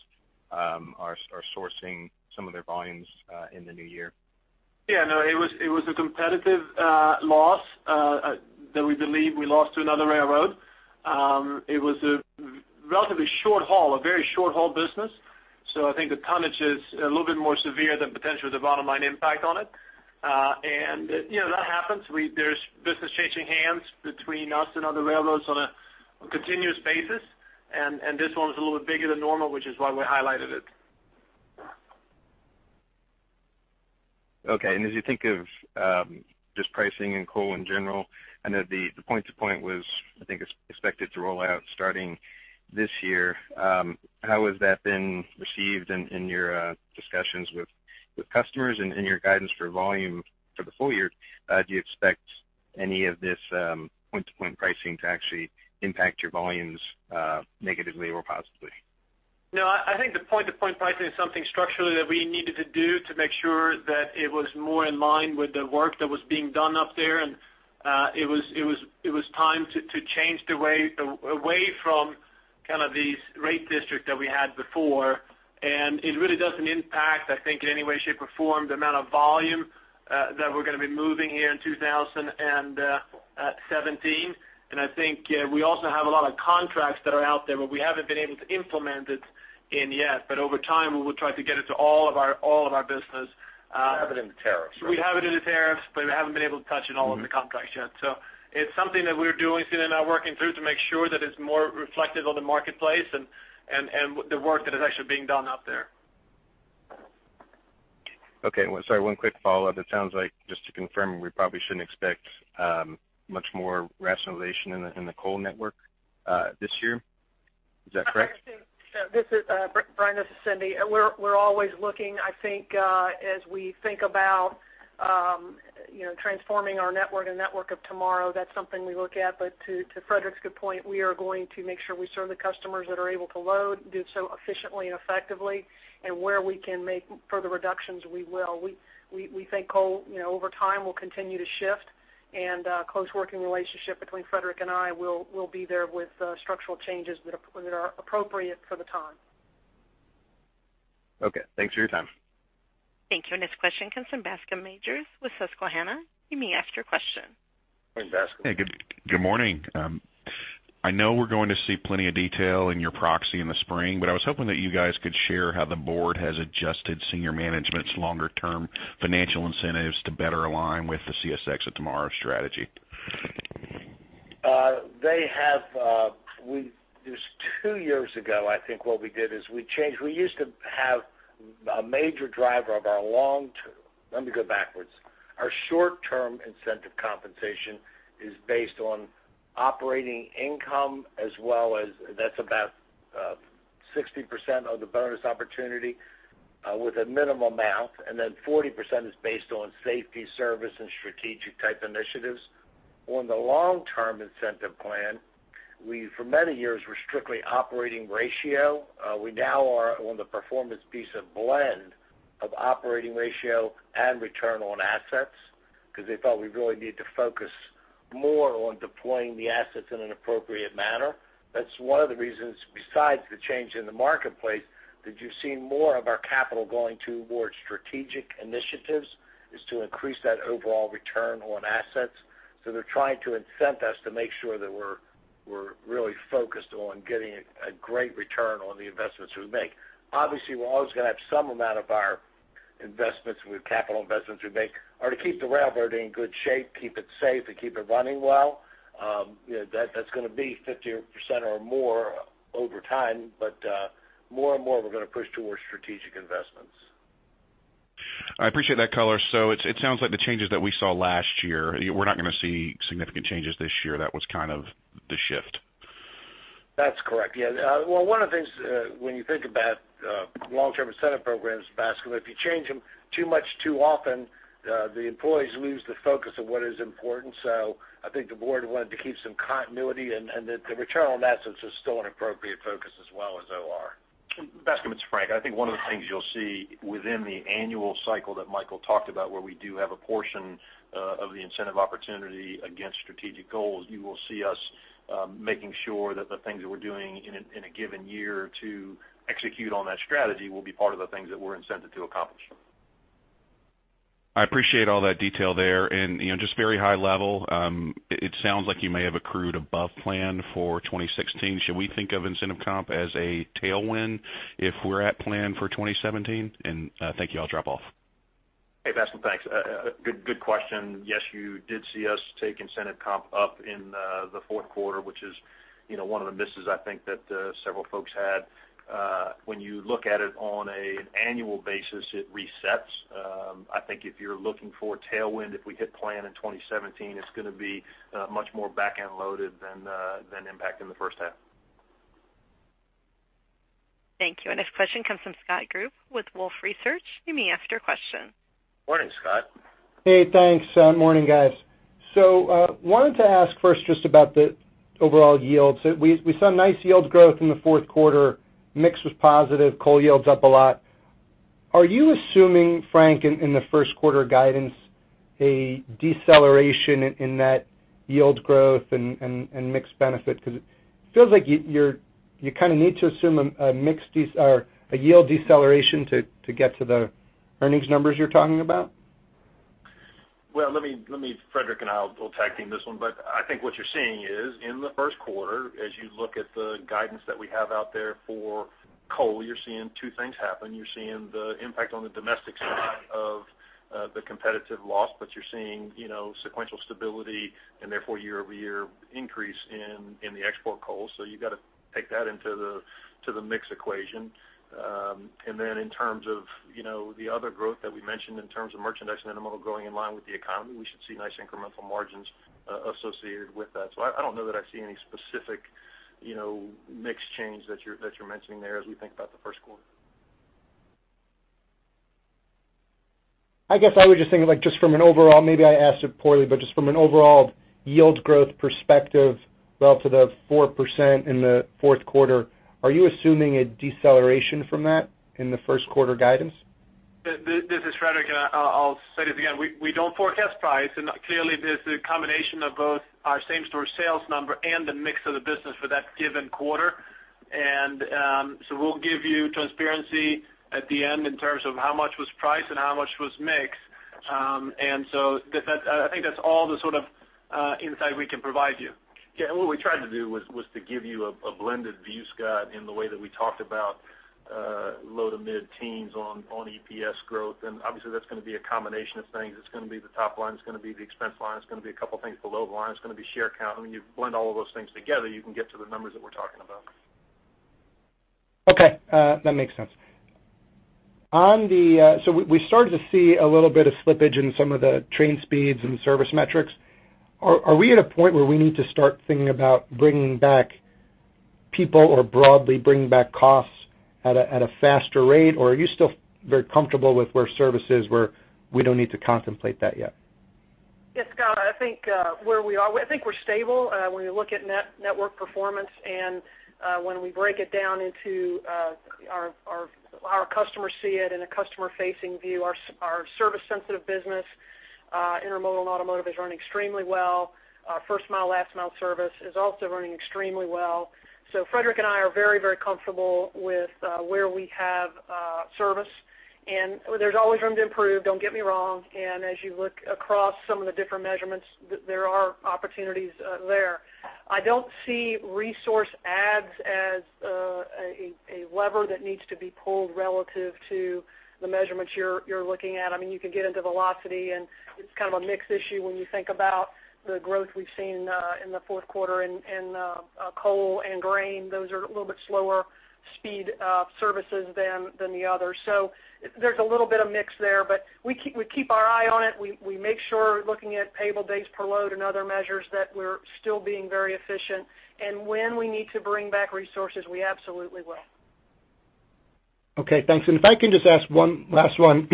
are sourcing some of their volumes in the new year? Yeah. No, it was a competitive loss that we believe we lost to another railroad. It was a relatively short haul, a very short haul business. So I think the tonnage is a little bit more severe than potentially the bottom line impact on it. And that happens. There's business changing hands between us and other railroads on a continuous basis. And this one was a little bit bigger than normal, which is why we highlighted it. Okay. As you think of just pricing and coal in general, I know the point-to-point was, I think, expected to roll out starting this year. How has that been received in your discussions with customers and in your guidance for volume for the full year? Do you expect any of this point-to-point pricing to actually impact your volumes negatively or positively? No. I think the point-to-point pricing is something structurally that we needed to do to make sure that it was more in line with the work that was being done up there. It was time to change the way away from kind of these rate districts that we had before. It really doesn't impact, I think, in any way, shape, or form the amount of volume that we're going to be moving here in 2017. I think we also have a lot of contracts that are out there where we haven't been able to implement it in yet. Over time, we will try to get it to all of our business. We have it in the tariffs. We have it in the tariffs, but we haven't been able to touch it all of the contracts yet. So it's something that we're doing, Cindy and I working through to make sure that it's more reflected on the marketplace and the work that is actually being done up there. Okay. Sorry. One quick follow-up. It sounds like just to confirm, we probably shouldn't expect much more rationalization in the coal network this year. Is that correct? This is Brian. This is Cindy. We're always looking, I think, as we think about transforming our network and network of tomorrow. That's something we look at. But to Fredrik's good point, we are going to make sure we serve the customers that are able to load, do so efficiently and effectively. And where we can make further reductions, we will. We think coal over time will continue to shift, and close working relationship between Fredrik and I will be there with structural changes that are appropriate for the time. Okay. Thanks for your time. Thank you. Our next question comes from Bascome Majors with Susquehanna. You may ask your question. Morning, Bascome. Good morning. I know we're going to see plenty of detail in your proxy in the spring, but I was hoping that you guys could share how the board has adjusted senior management's longer-term financial incentives to better align with the CSX of Tomorrow strategy. Two years ago, I think, what we did is we changed. We used to have a major driver of our long-term. Let me go backwards. Our short-term incentive compensation is based on operating income as well as that's about 60% on the bonus opportunity with a minimum amount, and then 40% is based on safety, service, and strategic-type initiatives. On the long-term incentive plan, for many years, we're strictly operating ratio. We now are on the performance piece of blend of operating ratio and return on assets because they felt we really need to focus more on deploying the assets in an appropriate manner. That's one of the reasons besides the change in the marketplace that you've seen more of our capital going towards strategic initiatives is to increase that overall return on assets. So they're trying to incent us to make sure that we're really focused on getting a great return on the investments we make. Obviously, we're always going to have some amount of our investments with capital investments we make or to keep the railroad in good shape, keep it safe, and keep it running well. That's going to be 50% or more over time, but more and more we're going to push towards strategic investments. I appreciate that, colour. So it sounds like the changes that we saw last year, we're not going to see significant changes this year. That was kind of the shift. That's correct. Yeah. Well, one of the things when you think about long-term incentive programs, Bascome, if you change them too much too often, the employees lose the focus of what is important. So I think the board wanted to keep some continuity, and the return on assets is still an appropriate focus as well as OR. Bascome, it's Frank. I think one of the things you'll see within the annual cycle that Michael talked about where we do have a portion of the incentive opportunity against strategic goals, you will see us making sure that the things that we're doing in a given year to execute on that strategy will be part of the things that we're incented to accomplish. I appreciate all that detail there. And just very high level, it sounds like you may have accrued above plan for 2016. Should we think of incentive comp as a tailwind if we're at plan for 2017? And thank you. I'll drop off. Hey, Bascome. Thanks. Good question. Yes, you did see us take incentive comp up in the fourth quarter, which is one of the misses I think that several folks had. When you look at it on an annual basis, it resets. I think if you're looking for a tailwind, if we hit plan in 2017, it's going to be much more back-end loaded than impact in the first half. Thank you. Our next question comes from Scott Group with Wolfe Research. You may ask your question. Morning, Scott. Hey, thanks. Morning, guys. So wanted to ask first just about the overall yield. So we saw nice yield growth in the fourth quarter. Mix was positive. Coal yields up a lot. Are you assuming, Frank, in the first quarter guidance, a deceleration in that yield growth and mixed benefit? Because it feels like you kind of need to assume a mixed or a yield deceleration to get to the earnings numbers you're talking about. Well, let me, Fredrik and I will tag team this one. But I think what you're seeing is in the first quarter, as you look at the guidance that we have out there for coal, you're seeing two things happen. You're seeing the impact on the domestic side of the competitive loss, but you're seeing sequential stability and therefore year-over-year increase in the export coal. So you've got to take that into the mix equation. And then in terms of the other growth that we mentioned in terms of merchandise and intermodal growing in line with the economy, we should see nice incremental margins associated with that. So I don't know that I see any specific mix change that you're mentioning there as we think about the first quarter. I guess I would just think just from an overall, maybe I asked it poorly, but just from an overall yield growth perspective relative to the 4% in the fourth quarter, are you assuming a deceleration from that in the first quarter guidance? This is Fredrik. I'll say this again. We don't forecast price. Clearly, there's a combination of both our same-store sales number and the mix of the business for that given quarter. We'll give you transparency at the end in terms of how much was priced and how much was mixed. I think that's all the sort of insight we can provide you. Yeah. And what we tried to do was to give you a blended view, Scott, in the way that we talked about low to mid-teens on EPS growth. And obviously, that's going to be a combination of things. It's going to be the top line. It's going to be the expense line. It's going to be a couple of things below the line. It's going to be share count. And when you blend all of those things together, you can get to the numbers that we're talking about. Okay. That makes sense. We started to see a little bit of slippage in some of the train speeds and service metrics. Are we at a point where we need to start thinking about bringing back people or broadly bringing back costs at a faster rate, or are you still very comfortable with where service is where we don't need to contemplate that yet? Yes, Scott. I think where we are, I think we're stable when you look at network performance. And when we break it down into our customers see it in a customer-facing view, our service-sensitive business, intermodal and automotive, is running extremely well. First-mile, last-mile service is also running extremely well. So Fredrik and I are very, very comfortable with where we have service. And there's always room to improve, don't get me wrong. And as you look across some of the different measurements, there are opportunities there. I don't see resource adds as a lever that needs to be pulled relative to the measurements you're looking at. I mean, you can get into velocity, and it's kind of a mixed issue when you think about the growth we've seen in the fourth quarter in coal and grain. Those are a little bit slower speed services than the others. There's a little bit of mix there, but we keep our eye on it. We make sure looking at payable days per load and other measures that we're still being very efficient. When we need to bring back resources, we absolutely will. Okay. Thanks. And if I can just ask one last one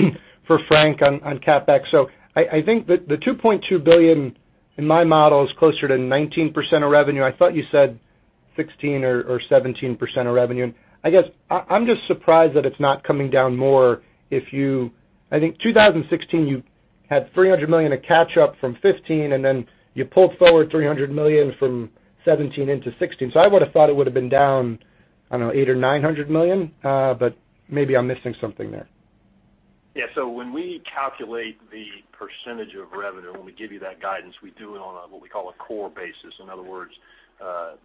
for Frank on CapEx. So I think the $2.2 billion in my model is closer to 19% of revenue. I thought you said 16% or 17% of revenue. And I guess I'm just surprised that it's not coming down more if you—I think 2016, you had $300 million to catch up from 2015, and then you pulled forward $300 million from 2017 into 2016. So I would have thought it would have been down, I don't know, $8 million or $900 million, but maybe I'm missing something there. Yeah. So when we calculate the percentage of revenue, when we give you that guidance, we do it on what we call a core basis. In other words,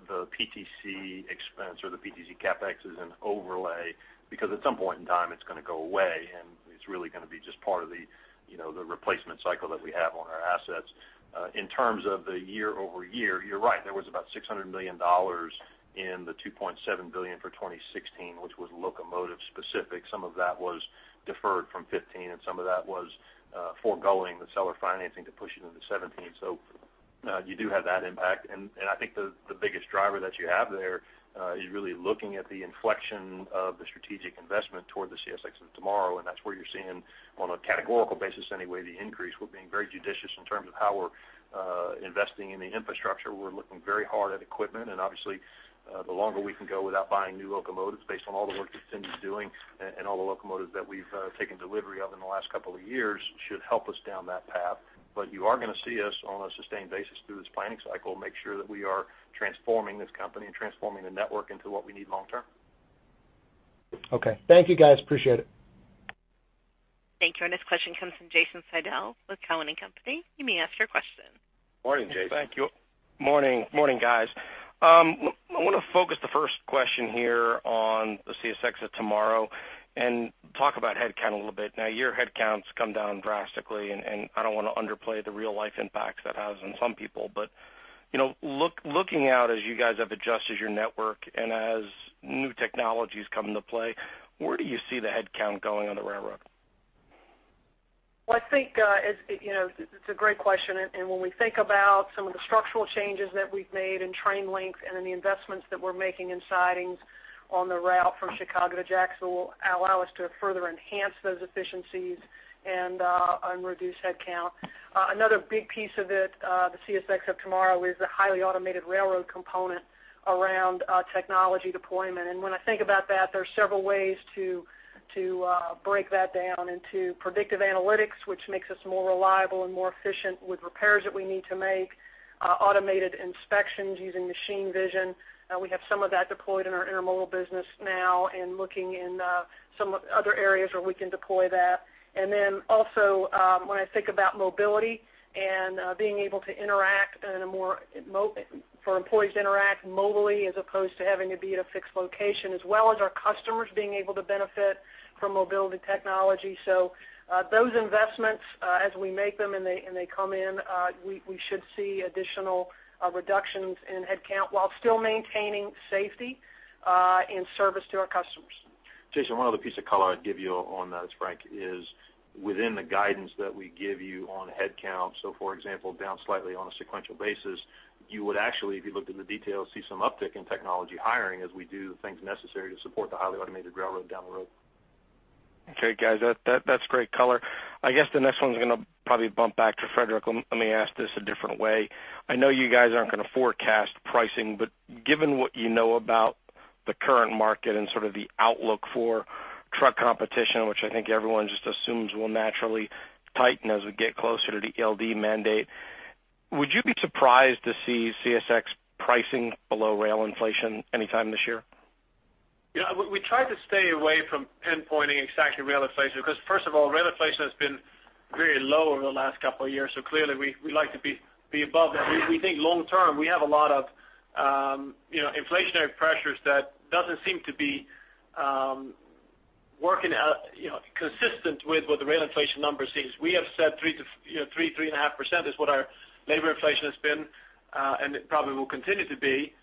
the PTC expense or the PTC CapEx is an overlay because at some point in time, it's going to go away, and it's really going to be just part of the replacement cycle that we have on our assets. In terms of the year-over-year, you're right. There was about $600 million in the $2.7 billion for 2016, which was locomotive-specific. Some of that was deferred from 2015, and some of that was forgoing the seller financing to push it into 2017. So you do have that impact. And I think the biggest driver that you have there is really looking at the inflection of the strategic investment toward the CSX of Tomorrow. That's where you're seeing, on a categorical basis anyway, the increase we're being very judicious in terms of how we're investing in the infrastructure. We're looking very hard at equipment. Obviously, the longer we can go without buying new locomotives based on all the work that Cindy's doing and all the locomotives that we've taken delivery of in the last couple of years should help us down that path. You are going to see us on a sustained basis through this planning cycle make sure that we are transforming this company and transforming the network into what we need long-term. Okay. Thank you, guys. Appreciate it. Thank you. Our next question comes from Jason Seidl with Cowen & Company. You may ask your question. Morning, Jason. Thank you. Morning, guys. I want to focus the first question here on the CSX of Tomorrow and talk about headcount a little bit. Now, your headcounts come down drastically, and I don't want to underplay the real-life impacts that has on some people. But looking out as you guys have adjusted your network and as new technologies come into play, where do you see the headcount going on the railroad? Well, I think it's a great question. When we think about some of the structural changes that we've made in train length and in the investments that we're making in sidings on the route from Chicago to Jacksonville will allow us to further enhance those efficiencies and reduce headcount. Another big piece of it, the CSX of Tomorrow, is the highly automated railroad component around technology deployment. When I think about that, there are several ways to break that down into predictive analytics, which makes us more reliable and more efficient with repairs that we need to make, automated inspections using machine vision. We have some of that deployed in our intermodal business now and looking in some other areas where we can deploy that. And then also when I think about mobility and being able to interact in a more for employees to interact mobilely as opposed to having to be at a fixed location, as well as our customers being able to benefit from mobility technology. So those investments, as we make them and they come in, we should see additional reductions in headcount while still maintaining safety and service to our customers. Jason, one other piece of color I'd give you on that, Frank, is within the guidance that we give you on headcount. So for example, down slightly on a sequential basis, you would actually, if you looked at the details, see some uptick in technology hiring as we do things necessary to support the highly automated railroad down the road. Okay, guys. That's great color. I guess the next one's going to probably bump back to Fredrik. Let me ask this a different way. I know you guys aren't going to forecast pricing, but given what you know about the current market and sort of the outlook for truck competition, which I think everyone just assumes will naturally tighten as we get closer to the ELD mandate, would you be surprised to see CSX pricing below rail inflation anytime this year? Yeah. We try to stay away from pinpointing exactly rail inflation because, first of all, rail inflation has been very low over the last couple of years. So clearly, we like to be above that. We think long-term, we have a lot of inflationary pressures that don't seem to be working consistent with what the rail inflation number seems. We have said 3%-3.5% is what our labor inflation has been and probably will continue to be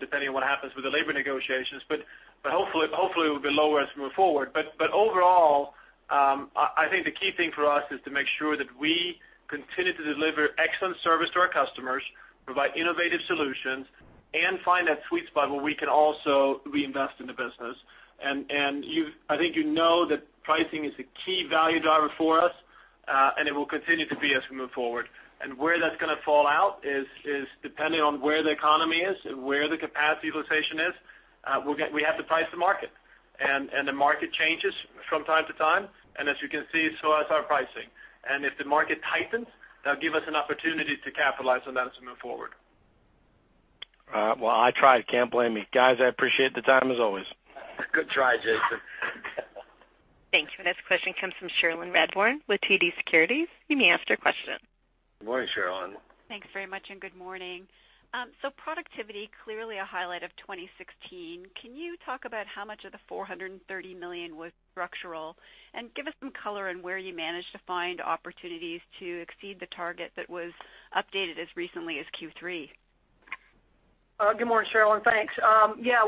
depending on what happens with the labor negotiations. But hopefully, it will be lower as we move forward. But overall, I think the key thing for us is to make sure that we continue to deliver excellent service to our customers, provide innovative solutions, and find that sweet spot where we can also reinvest in the business. I think you know that pricing is a key value driver for us, and it will continue to be as we move forward. Where that's going to fall out is depending on where the economy is and where the capacity utilization is. We have to price the market. The market changes from time to time. As you can see, so has our pricing. If the market tightens, that'll give us an opportunity to capitalize on that as we move forward. Well, I tried. Can't blame you. Guys, I appreciate the time as always. Good try, Jason. Thank you. Our next question comes from Cherilyn Radbourne with TD Securities. You may ask your question. Good morning, Cherilyn. Thanks very much and good morning. Productivity, clearly a highlight of 2016. Can you talk about how much of the $430 million was structural and give us some color on where you managed to find opportunities to exceed the target that was updated as recently as Q3? Good morning, Cherilyn. Thanks. Yeah.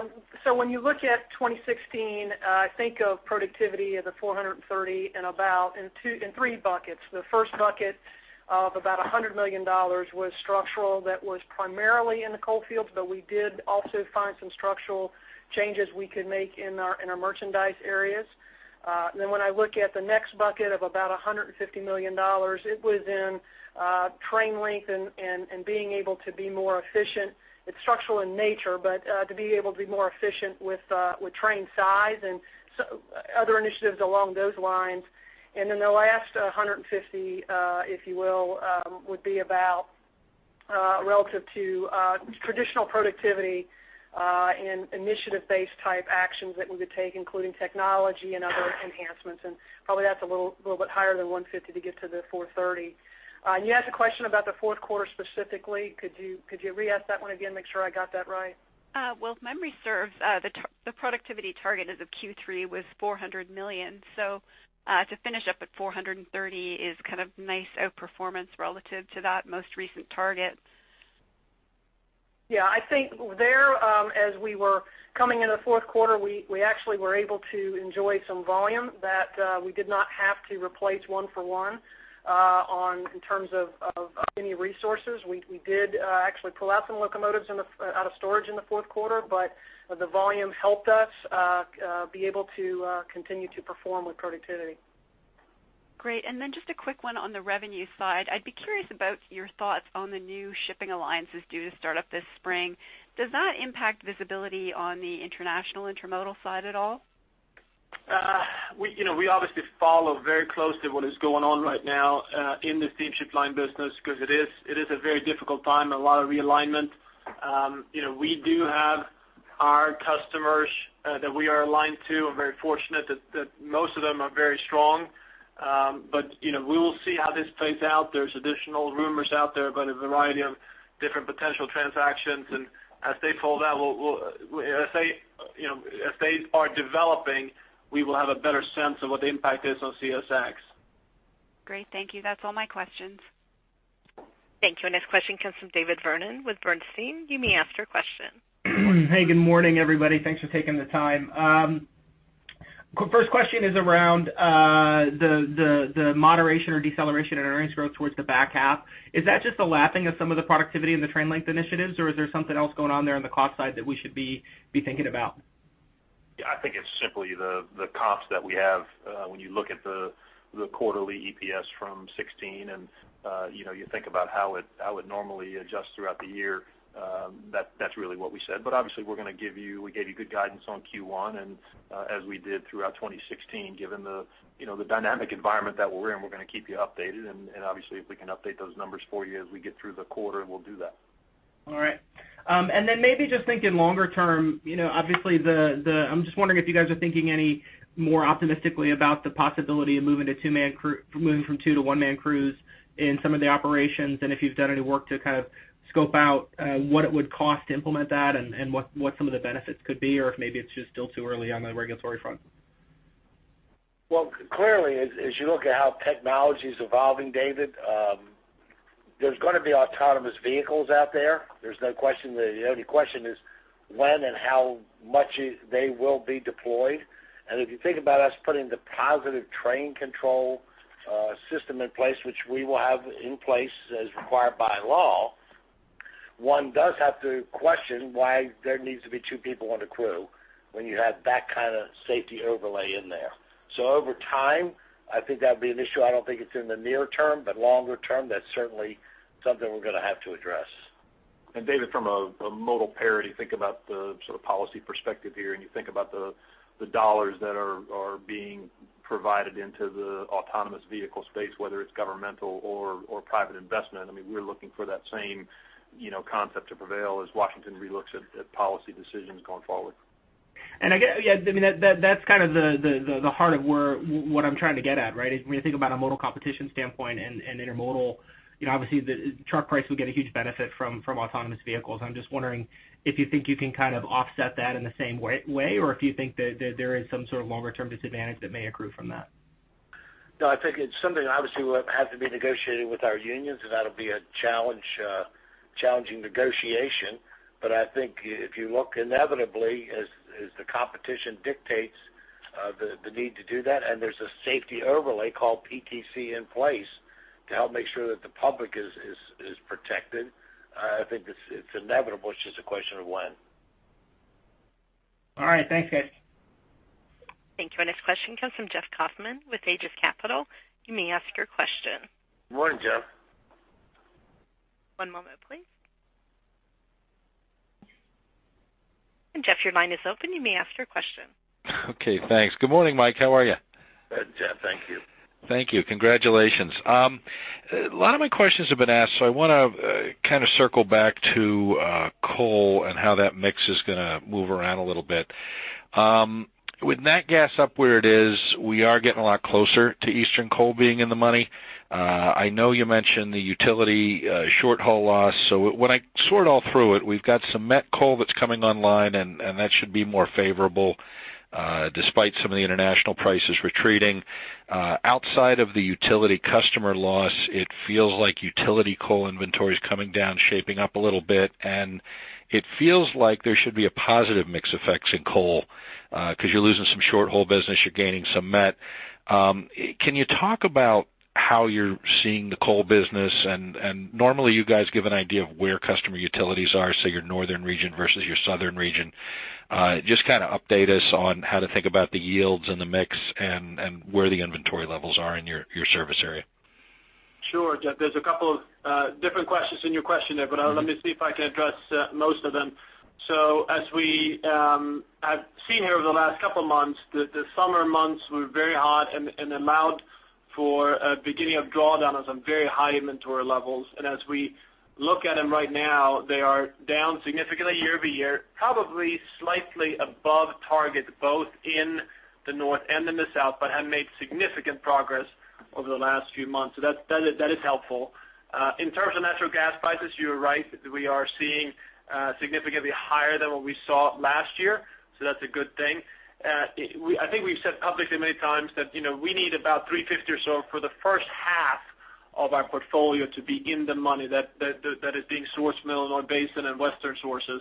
So when you look at 2016, think of productivity of the $430 million in three buckets. The first bucket of about $100 million was structural. That was primarily in the coal fields, but we did also find some structural changes we could make in our merchandise areas. Then when I look at the next bucket of about $150 million, it was in train length and being able to be more efficient. It's structural in nature, but to be able to be more efficient with train size and other initiatives along those lines. Then the last $150 million, if you will, would be about relative to traditional productivity and initiative-based type actions that we could take, including technology and other enhancements. Probably that's a little bit higher than $150 million to get to the $430 million. You asked a question about the fourth quarter specifically. Could you re-ask that one again? Make sure I got that right. Well, if memory serves, the productivity target as of Q3 was $400 million. So to finish up at $430 million is kind of nice outperformance relative to that most recent target. Yeah. I think there, as we were coming into the fourth quarter, we actually were able to enjoy some volume that we did not have to replace one-for-one in terms of any resources. We did actually pull out some locomotives out of storage in the fourth quarter, but the volume helped us be able to continue to perform with productivity. Great. And then just a quick one on the revenue side. I'd be curious about your thoughts on the new shipping alliances due to start up this spring. Does that impact visibility on the international intermodal side at all? We obviously follow very closely what is going on right now in the steamship line business because it is a very difficult time and a lot of realignment. We do have our customers that we are aligned to. I'm very fortunate that most of them are very strong. But we will see how this plays out. There's additional rumors out there about a variety of different potential transactions. And as they fall out, as they are developing, we will have a better sense of what the impact is on CSX. Great. Thank you. That's all my questions. Thank you. Our next question comes from David Vernon with Bernstein. You may ask your question. Hey, good morning, everybody. Thanks for taking the time. First question is around the moderation or deceleration in earnings growth towards the back half. Is that just the lapping of some of the productivity and the train length initiatives, or is there something else going on there on the cost side that we should be thinking about? Yeah. I think it's simply the comps that we have. When you look at the quarterly EPS from 2016 and you think about how it normally adjusts throughout the year, that's really what we said. But obviously, we're going to give you we gave you good guidance on Q1 and as we did throughout 2016, given the dynamic environment that we're in. We're going to keep you updated. And obviously, if we can update those numbers for you as we get through the quarter, we'll do that. All right. Then maybe just thinking longer term, obviously, I'm just wondering if you guys are thinking any more optimistically about the possibility of moving from two-man crews in some of the operations and if you've done any work to kind of scope out what it would cost to implement that and what some of the benefits could be or if maybe it's just still too early on the regulatory front? Well, clearly, as you look at how technology is evolving, David, there's going to be autonomous vehicles out there. There's no question that the only question is when and how much they will be deployed. And if you think about us putting the Positive Train Control system in place, which we will have in place as required by law, one does have to question why there needs to be two people on the crew when you have that kind of safety overlay in there. So over time, I think that would be an issue. I don't think it's in the near term, but longer term, that's certainly something we're going to have to address. And David, from a modal parity, think about the sort of policy perspective here and you think about the dollars that are being provided into the autonomous vehicle space, whether it's governmental or private investment. I mean, we're looking for that same concept to prevail as Washington relooks at policy decisions going forward. And yeah, I mean, that's kind of the heart of what I'm trying to get at, right? When you think about a modal competition standpoint and intermodal, obviously, the truck price will get a huge benefit from autonomous vehicles. I'm just wondering if you think you can kind of offset that in the same way or if you think that there is some sort of longer-term disadvantage that may accrue from that. No, I think it's something obviously will have to be negotiated with our unions and that'll be a challenging negotiation. But I think if you look, inevitably, as the competition dictates the need to do that and there's a safety overlay called PTC in place to help make sure that the public is protected, I think it's inevitable. It's just a question of when. All right. Thanks, guys. Thank you. Our next question comes from Jeff Kauffman with Aegis Capital. You may ask your question. Good morning, Jeff. One moment, please. And Jeff, your line is open. You may ask your question. Okay. Thanks. Good morning, Mike. How are you? Good, Jeff. Thank you. Thank you. Congratulations. A lot of my questions have been asked, so I want to kind of circle back to coal and how that mix is going to move around a little bit. With Nat Gas up where it is, we are getting a lot closer to Eastern coal being in the money. I know you mentioned the utility short haul loss. So when I sort all through it, we've got some met coal that's coming online, and that should be more favorable despite some of the international prices retreating. Outside of the utility customer loss, it feels like utility coal inventory is coming down, shaping up a little bit. And it feels like there should be a positive mix of effects in coal because you're losing some short haul business. You're gaining some met. Can you talk about how you're seeing the coal business? Normally, you guys give an idea of where customer utilities are, say your northern region versus your southern region. Just kind of update us on how to think about the yields and the mix and where the inventory levels are in your service area. Sure. There's a couple of different questions in your question there, but let me see if I can address most of them. As we have seen here over the last couple of months, the summer months were very hot and allowed for a beginning of drawdowns on very high inventory levels. As we look at them right now, they are down significantly year-over-year, probably slightly above target both in the north and in the south, but have made significant progress over the last few months. That is helpful. In terms of natural gas prices, you're right. We are seeing significantly higher than what we saw last year. That's a good thing. I think we've said publicly many times that we need about 350 or so for the first half of our portfolio to be in the money that is being sourced from the Illinois Basin and Western sources.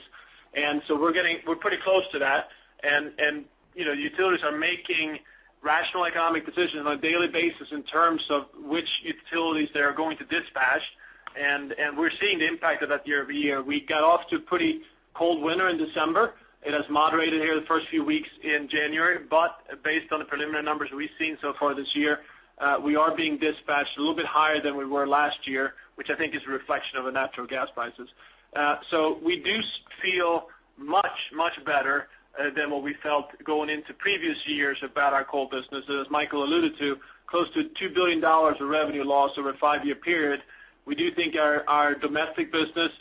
And so we're pretty close to that. And utilities are making rational economic decisions on a daily basis in terms of which utilities they are going to dispatch. And we're seeing the impact of that year-over-year. We got off to a pretty cold winter in December. It has moderated here the first few weeks in January. But based on the preliminary numbers we've seen so far this year, we are being dispatched a little bit higher than we were last year, which I think is a reflection of the natural gas prices. So we do feel much, much better than what we felt going into previous years about our coal business. As Michael alluded to, close to $2 billion of revenue lost over a five-year period. We do think our domestic business,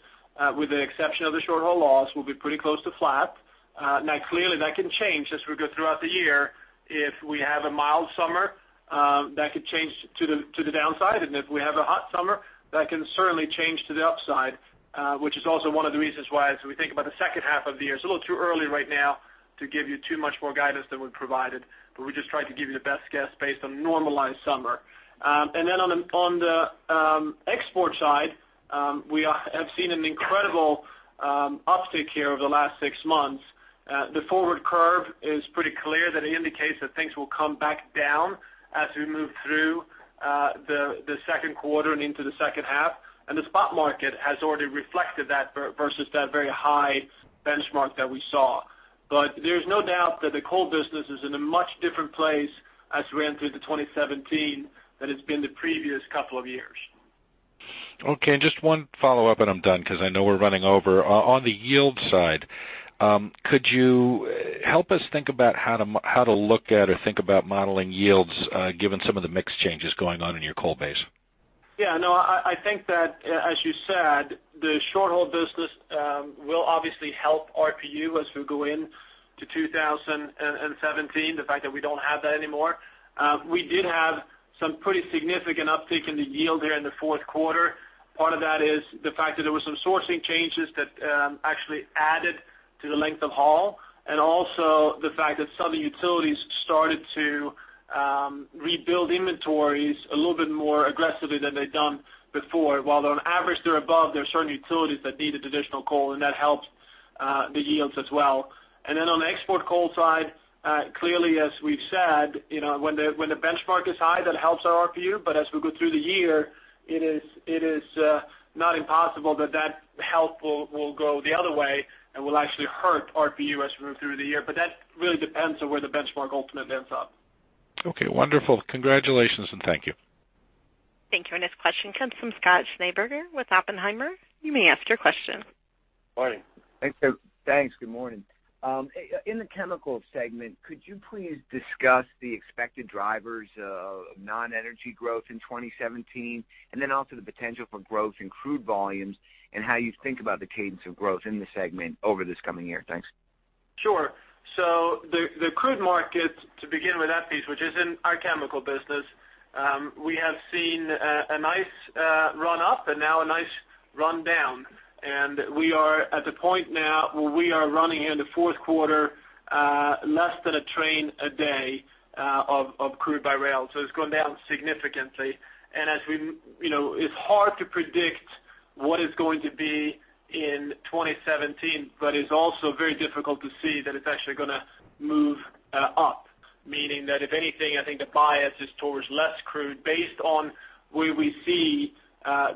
with the exception of the short haul loss, will be pretty close to flat. Now, clearly, that can change as we go throughout the year. If we have a mild summer, that could change to the downside. If we have a hot summer, that can certainly change to the upside, which is also one of the reasons why as we think about the second half of the year. It's a little too early right now to give you too much more guidance than we've provided, but we just tried to give you the best guess based on normalized summer. Then on the export side, we have seen an incredible uptick here over the last six months. The forward curve is pretty clear that it indicates that things will come back down as we move through the second quarter and into the second half. The spot market has already reflected that versus that very high benchmark that we saw. There's no doubt that the coal business is in a much different place as we enter 2017 than it's been the previous couple of years. Okay. Just one follow-up, and I'm done because I know we're running over. On the yield side, could you help us think about how to look at or think about modeling yields given some of the mix changes going on in your coal base? Yeah. No, I think that, as you said, the short haul business will obviously help RPU as we go into 2017, the fact that we don't have that anymore. We did have some pretty significant uptick in the yield here in the fourth quarter. Part of that is the fact that there were some sourcing changes that actually added to the length of haul and also the fact that some of the utilities started to rebuild inventories a little bit more aggressively than they've done before. While on average, they're above, there are certain utilities that needed additional coal, and that helped the yields as well. And then on the export coal side, clearly, as we've said, when the benchmark is high, that helps our RPU. But as we go through the year, it is not impossible that that help will go the other way and will actually hurt RPU as we move through the year. But that really depends on where the benchmark ultimately ends up. Okay. Wonderful. Congratulations and thank you. Thank you. Our next question comes from Scott Schneeberger with Oppenheimer. You may ask your question. Morning. Thank you. Thanks. Good morning. In the chemical segment, could you please discuss the expected drivers of non-energy growth in 2017 and then also the potential for growth in crude volumes and how you think about the cadence of growth in the segment over this coming year? Thanks. Sure. So the crude market, to begin with that piece, which is in our chemical business, we have seen a nice run-up and now a nice run-down. And we are at the point now where we are running here in the fourth quarter less than a train a day of crude by rail. So it's gone down significantly. And it's hard to predict what it's going to be in 2017, but it's also very difficult to see that it's actually going to move up, meaning that if anything, I think the bias is towards less crude based on where we see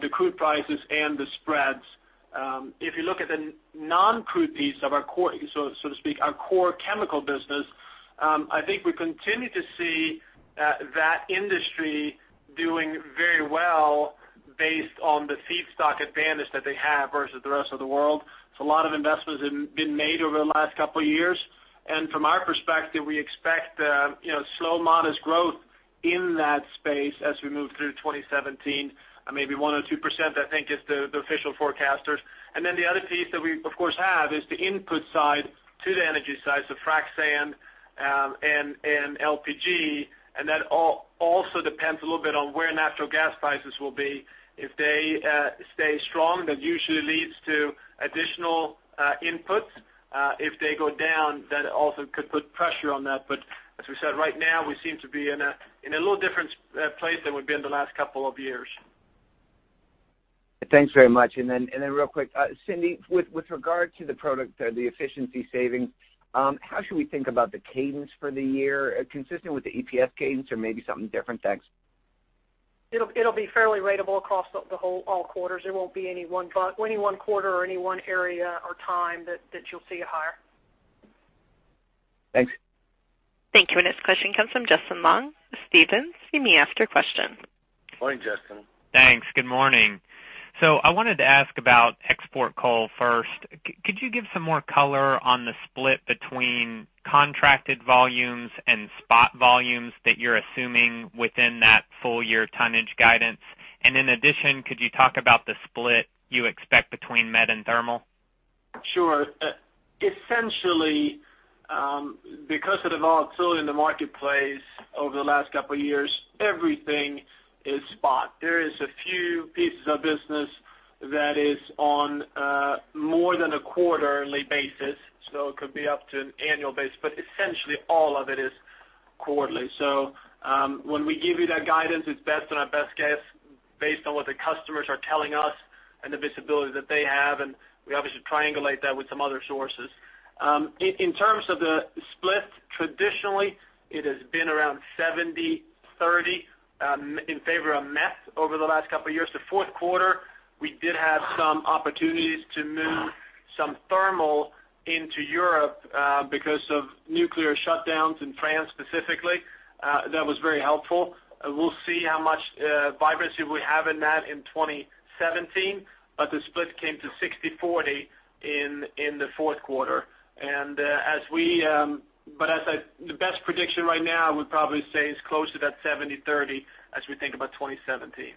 the crude prices and the spreads. If you look at the non-crude piece of our core, so to speak, our core chemical business, I think we continue to see that industry doing very well based on the feedstock advantage that they have versus the rest of the world. A lot of investments have been made over the last couple of years. From our perspective, we expect slow, modest growth in that space as we move through 2017, maybe 1% or 2%, I think, is the official forecasters. Then the other piece that we, of course, have is the input side to the energy side, so frac sand and LPG. And that also depends a little bit on where natural gas prices will be. If they stay strong, that usually leads to additional inputs. If they go down, that also could put pressure on that. But as we said, right now, we seem to be in a little different place than we've been the last couple of years. Thanks very much. Then real quick, Cindy, with regard to the product or the efficiency savings, how should we think about the cadence for the year? Consistent with the EPS cadence or maybe something different? Thanks. It'll be fairly ratable across all quarters. There won't be any one quarter or any one area or time that you'll see a higher. Thanks. Thank you. Our next question comes from Justin Long. Stephens, you may ask your question. Morning, Justin. Thanks. Good morning. So I wanted to ask about export coal first. Could you give some more color on the split between contracted volumes and spot volumes that you're assuming within that full-year tonnage guidance? And in addition, could you talk about the split you expect between met and thermal? Sure. Essentially, because it evolved so in the marketplace over the last couple of years, everything is spot. There is a few pieces of business that is on more than a quarterly basis. So it could be up to an annual basis, but essentially all of it is quarterly. So when we give you that guidance, it's best in our best guess based on what the customers are telling us and the visibility that they have. And we obviously triangulate that with some other sources. In terms of the split, traditionally, it has been around 70/30 in favor of met over the last couple of years. The fourth quarter, we did have some opportunities to move some thermal into Europe because of nuclear shutdowns in France specifically. That was very helpful. We'll see how much vibrancy we have in that in 2017, but the split came to 60/40 in the fourth quarter. The best prediction right now, we'd probably say, is closer to that 70/30 as we think about 2017.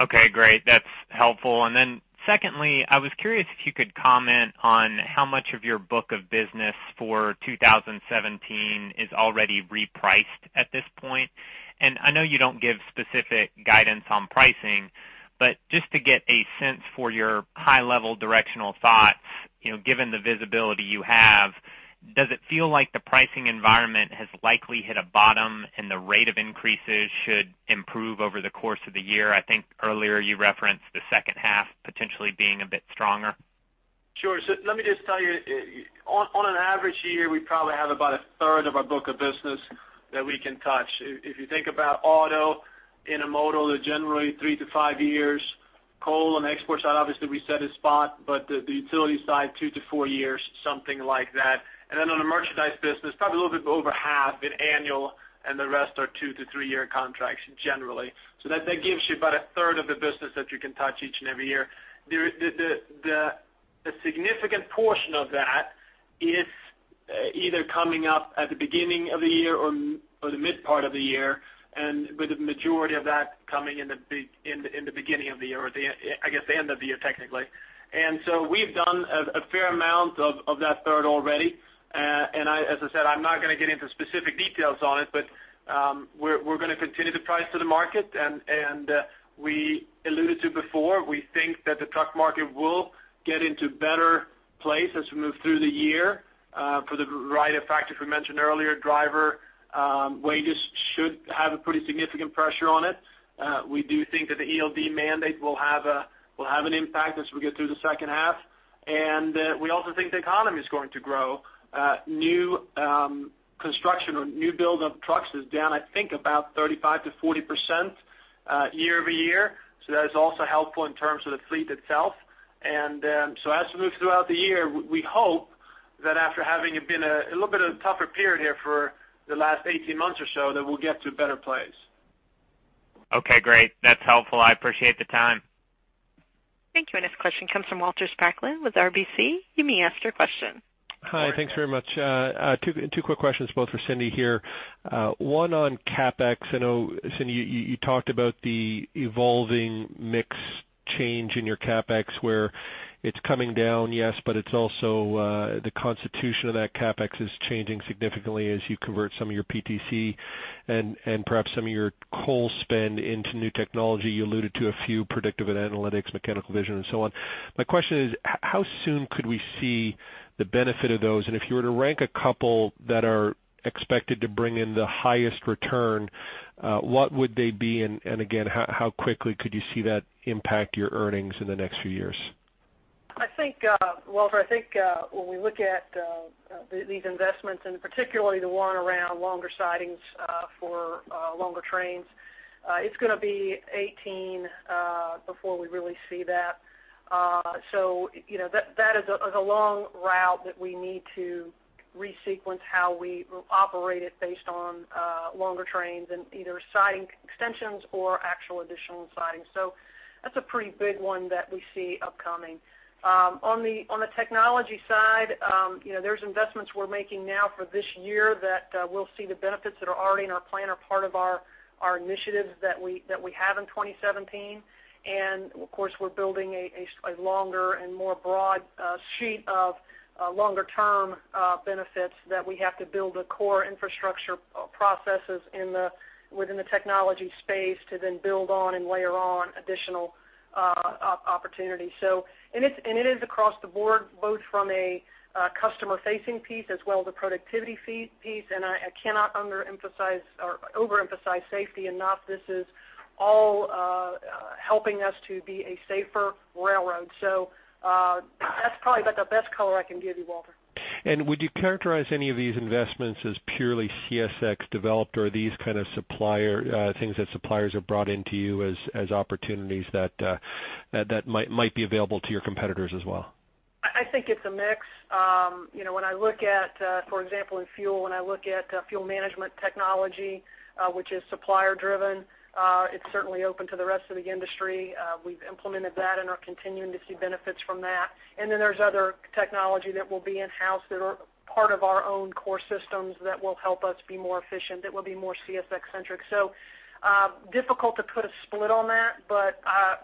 Okay. Great. That's helpful. And then secondly, I was curious if you could comment on how much of your book of business for 2017 is already repriced at this point. And I know you don't give specific guidance on pricing, but just to get a sense for your high-level directional thoughts, given the visibility you have, does it feel like the pricing environment has likely hit a bottom and the rate of increases should improve over the course of the year? I think earlier you referenced the second half potentially being a bit stronger. Sure. So let me just tell you, on an average year, we probably have about a third of our book of business that we can touch. If you think about auto, intermodal, they generally three to five years. Coal and exports are obviously reset in spot, but the utility side, two to four years, something like that. And then on the merchandise business, probably a little bit over half in annual, and the rest are two to three year contracts generally. So that gives you about a third of the business that you can touch each and every year. A significant portion of that is either coming up at the beginning of the year or the mid part of the year, with the majority of that coming in the beginning of the year or, I guess, the end of the year, technically. So we've done a fair amount of that third already. As I said, I'm not going to get into specific details on it, but we're going to continue to price to the market. We alluded to before, we think that the truck market will get into a better place as we move through the year. For the driver factor, we mentioned earlier, driver wages should have a pretty significant pressure on it. We do think that the ELD mandate will have an impact as we get through the second half. We also think the economy is going to grow. New construction or new build-up trucks is down, I think, about 35%-40% year-over-year. That is also helpful in terms of the fleet itself. And so as we move throughout the year, we hope that after having been a little bit of a tougher period here for the last 18 months or so, that we'll get to a better place. Okay. Great. That's helpful. I appreciate the time. Thank you. Our next question comes from Walter Spracklin with RBC. You may ask your question. Hi. Thanks very much. Two quick questions, both for Cindy here. One on CapEx. I know, Cindy, you talked about the evolving mix change in your CapEx where it's coming down, yes, but it's also the composition of that CapEx is changing significantly as you convert some of your PTC and perhaps some of your coal spend into new technology. You alluded to a few predictive analytics, machine vision, and so on. My question is, how soon could we see the benefit of those? And if you were to rank a couple that are expected to bring in the highest return, what would they be? And again, how quickly could you see that impact your earnings in the next few years? Walter, I think when we look at these investments, and particularly the one around longer sidings for longer trains, it's going to be 2018 before we really see that. So that is a long route that we need to resequence how we operate it based on longer trains and either siding extensions or actual additional siding. So that's a pretty big one that we see upcoming. On the technology side, there's investments we're making now for this year that we'll see the benefits that are already in our plan or part of our initiatives that we have in 2017. And of course, we're building a longer and more broad sheet of longer-term benefits that we have to build the core infrastructure processes within the technology space to then build on and layer on additional opportunities. And it is across the board, both from a customer-facing piece as well as a productivity piece. And I cannot overemphasize safety enough. This is all helping us to be a safer railroad. So that's probably about the best color I can give you, Walter. Would you characterize any of these investments as purely CSX developed or these kind of things that suppliers have brought into you as opportunities that might be available to your competitors as well? I think it's a mix. When I look at, for example, in fuel, when I look at fuel management technology, which is supplier-driven, it's certainly open to the rest of the industry. We've implemented that and are continuing to see benefits from that. And then there's other technology that will be in-house that are part of our own core systems that will help us be more efficient, that will be more CSX-centric. So difficult to put a split on that, but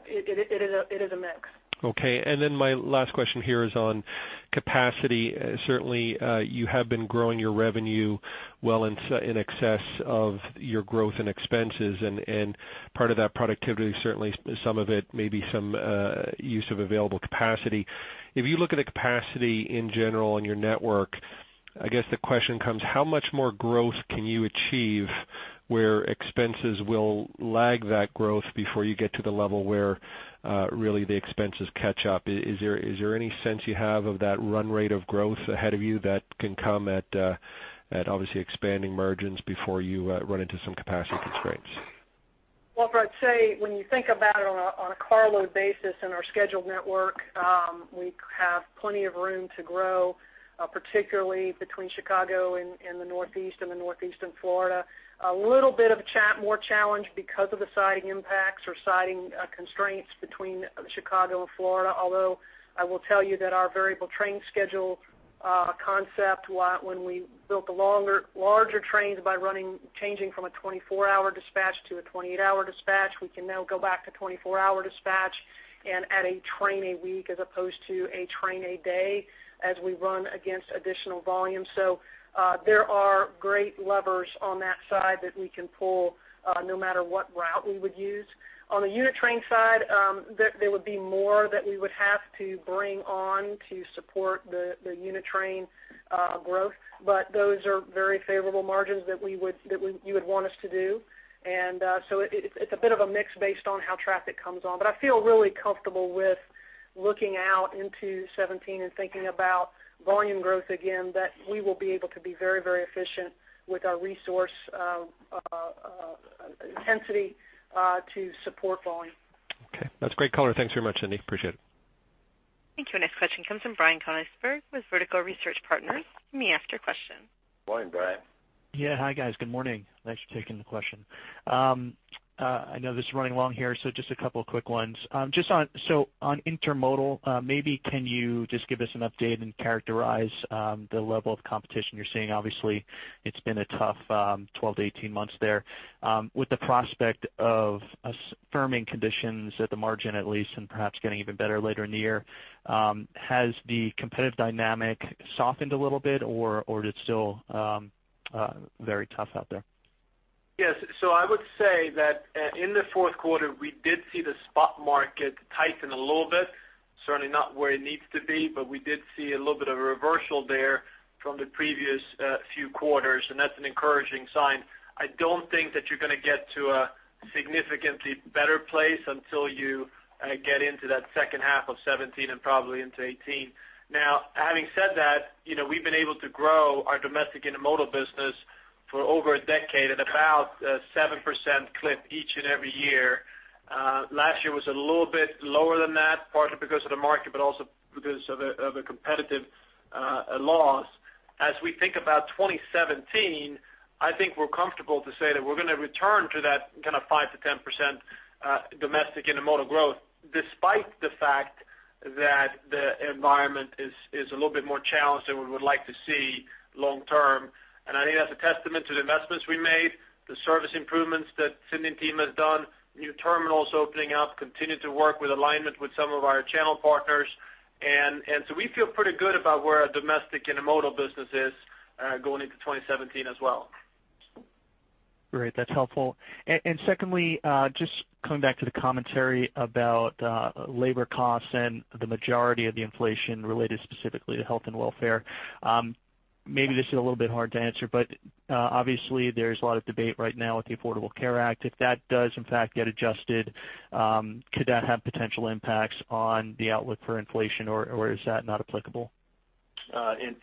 it is a mix. Okay. And then my last question here is on capacity. Certainly, you have been growing your revenue well in excess of your growth and expenses. And part of that productivity, certainly, some of it may be some use of available capacity. If you look at the capacity in general in your network, I guess the question comes, how much more growth can you achieve where expenses will lag that growth before you get to the level where really the expenses catch up? Is there any sense you have of that run rate of growth ahead of you that can come at obviously expanding margins before you run into some capacity constraints? Walter, I'd say when you think about it on a carload basis in our scheduled network, we have plenty of room to grow, particularly between Chicago and the Northeast and the Northeastern Florida. A little bit of a more challenge because of the siding impacts or siding constraints between Chicago and Florida. Although I will tell you that our variable train schedule concept, when we built the larger trains by changing from a 24-hour dispatch to a 28-hour dispatch, we can now go back to 24-hour dispatch and add a train a week as opposed to a train a day as we run against additional volume. So there are great levers on that side that we can pull no matter what route we would use. On the unit train side, there would be more that we would have to bring on to support the unit train growth, but those are very favorable margins that you would want us to do. And so it's a bit of a mix based on how traffic comes on. But I feel really comfortable with looking out into 2017 and thinking about volume growth again, that we will be able to be very, very efficient with our resource intensity to support volume. Okay. That's great color. Thanks very much, Cindy. Appreciate it. Thank you. Our next question comes from Brian Konigsberg with Vertical Research Partners. You may ask your question. Morning, Brian. Yeah. Hi, guys. Good morning. Thanks for taking the question. I know this is running long here, so just a couple of quick ones. So on intermodal, maybe can you just give us an update and characterize the level of competition you're seeing? Obviously, it's been a tough 12-18 months there. With the prospect of firming conditions at the margin at least and perhaps getting even better later in the year, has the competitive dynamic softened a little bit, or is it still very tough out there? Yes. So I would say that in the fourth quarter, we did see the spot market tighten a little bit, certainly not where it needs to be, but we did see a little bit of a reversal there from the previous few quarters. And that's an encouraging sign. I don't think that you're going to get to a significantly better place until you get into that second half of 2017 and probably into 2018. Now, having said that, we've been able to grow our domestic intermodal business for over a decade at about a 7% clip each and every year. Last year was a little bit lower than that, partly because of the market, but also because of the competitive loss. As we think about 2017, I think we're comfortable to say that we're going to return to that kind of 5%-10% domestic intermodal growth despite the fact that the environment is a little bit more challenged than we would like to see long term. And I think that's a testament to the investments we made, the service improvements that Cindy and team has done, new terminals opening up, continuing to work with alignment with some of our channel partners. And so we feel pretty good about where our domestic intermodal business is going into 2017 as well. Great. That's helpful. And secondly, just coming back to the commentary about labor costs and the majority of the inflation related specifically to health and welfare, maybe this is a little bit hard to answer, but obviously, there's a lot of debate right now with the Affordable Care Act. If that does, in fact, get adjusted, could that have potential impacts on the outlook for inflation, or is that not applicable?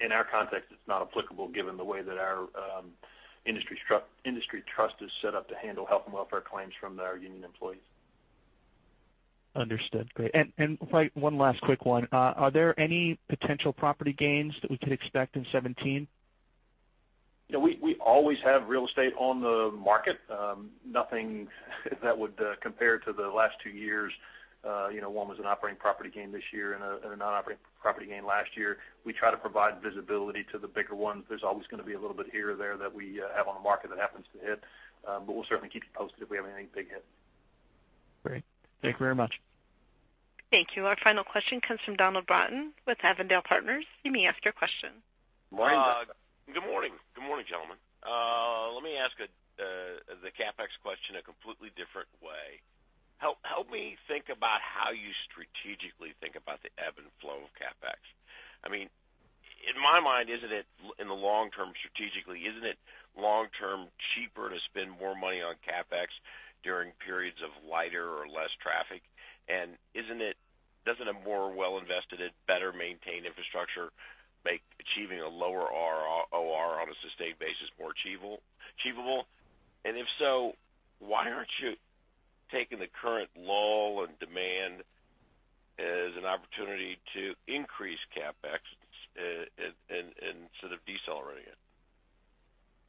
In our context, it's not applicable given the way that our industry trust is set up to handle health and welfare claims from our union employees. Understood. Great. One last quick one. Are there any potential property gains that we could expect in 2017? We always have real estate on the market. Nothing that would compare to the last two years. One was an operating property gain this year and a non-operating property gain last year. We try to provide visibility to the bigger ones. There's always going to be a little bit here or there that we have on the market that happens to hit. But we'll certainly keep you posted if we have any big hit. Great. Thank you very much. Thank you. Our final question comes from Donald Broughton with Avondale Partners. You may ask your question. Good morning. Good morning, gentlemen. Let me ask the CapEx question a completely different way. Help me think about how you strategically think about the ebb and flow of CapEx. I mean, in my mind, in the long term, strategically, isn't it long term cheaper to spend more money on CapEx during periods of lighter or less traffic? And doesn't a more well-invested, better-maintained infrastructure make achieving a lower OR on a sustained basis more achievable? And if so, why aren't you taking the current lull in demand as an opportunity to increase CapEx instead of decelerating it?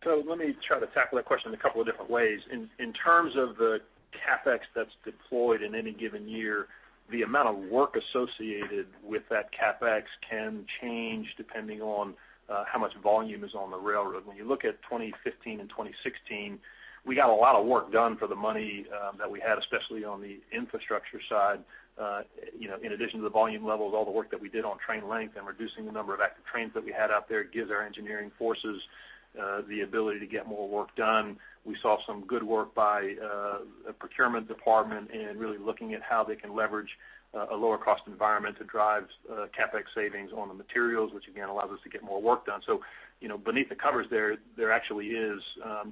So let me try to tackle that question in a couple of different ways. In terms of the CapEx that's deployed in any given year, the amount of work associated with that CapEx can change depending on how much volume is on the railroad. When you look at 2015 and 2016, we got a lot of work done for the money that we had, especially on the infrastructure side. In addition to the volume levels, all the work that we did on train length and reducing the number of active trains that we had out there gives our engineering forces the ability to get more work done. We saw some good work by a procurement department in really looking at how they can leverage a lower-cost environment to drive CapEx savings on the materials, which again allows us to get more work done. So beneath the covers there, there actually is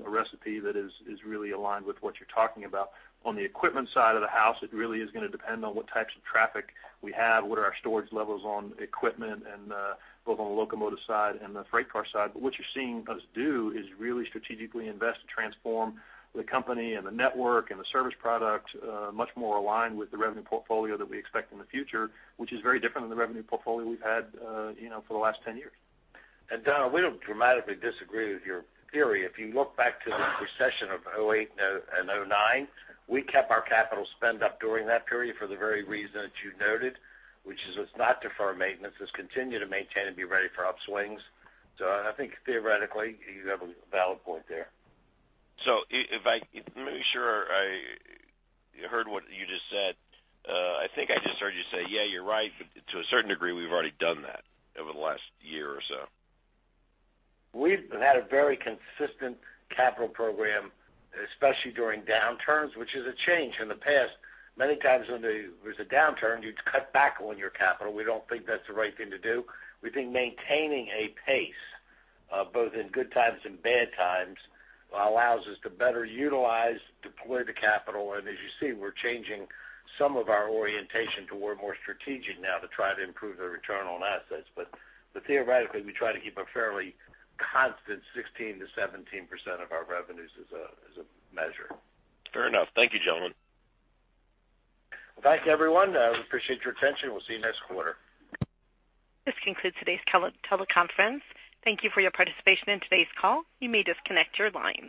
a recipe that is really aligned with what you're talking about. On the equipment side of the house, it really is going to depend on what types of traffic we have, what are our storage levels on equipment, and both on the locomotive side and the freight car side. But what you're seeing us do is really strategically invest to transform the company and the network and the service product much more aligned with the revenue portfolio that we expect in the future, which is very different than the revenue portfolio we've had for the last 10 years. Donald, we don't dramatically disagree with your theory. If you look back to the recession of 2008 and 2009, we kept our capital spend up during that period for the very reason that you noted, which is let's not defer maintenance. Let's continue to maintain and be ready for upswings. I think theoretically, you have a valid point there. Let me make sure I heard what you just said. I think I just heard you say, "Yeah, you're right," but to a certain degree, we've already done that over the last year or so. We've had a very consistent capital program, especially during downturns, which is a change. In the past, many times when there was a downturn, you'd cut back on your capital. We don't think that's the right thing to do. We think maintaining a pace, both in good times and bad times, allows us to better utilize, deploy the capital. And as you see, we're changing some of our orientation toward more strategic now to try to improve the return on assets. But theoretically, we try to keep a fairly constant 16%-17% of our revenues as a measure. Fair enough. Thank you, gentlemen. Well, thank you, everyone. I appreciate your attention. We'll see you next quarter. This concludes today's teleconference. Thank you for your participation in today's call. You may disconnect your line.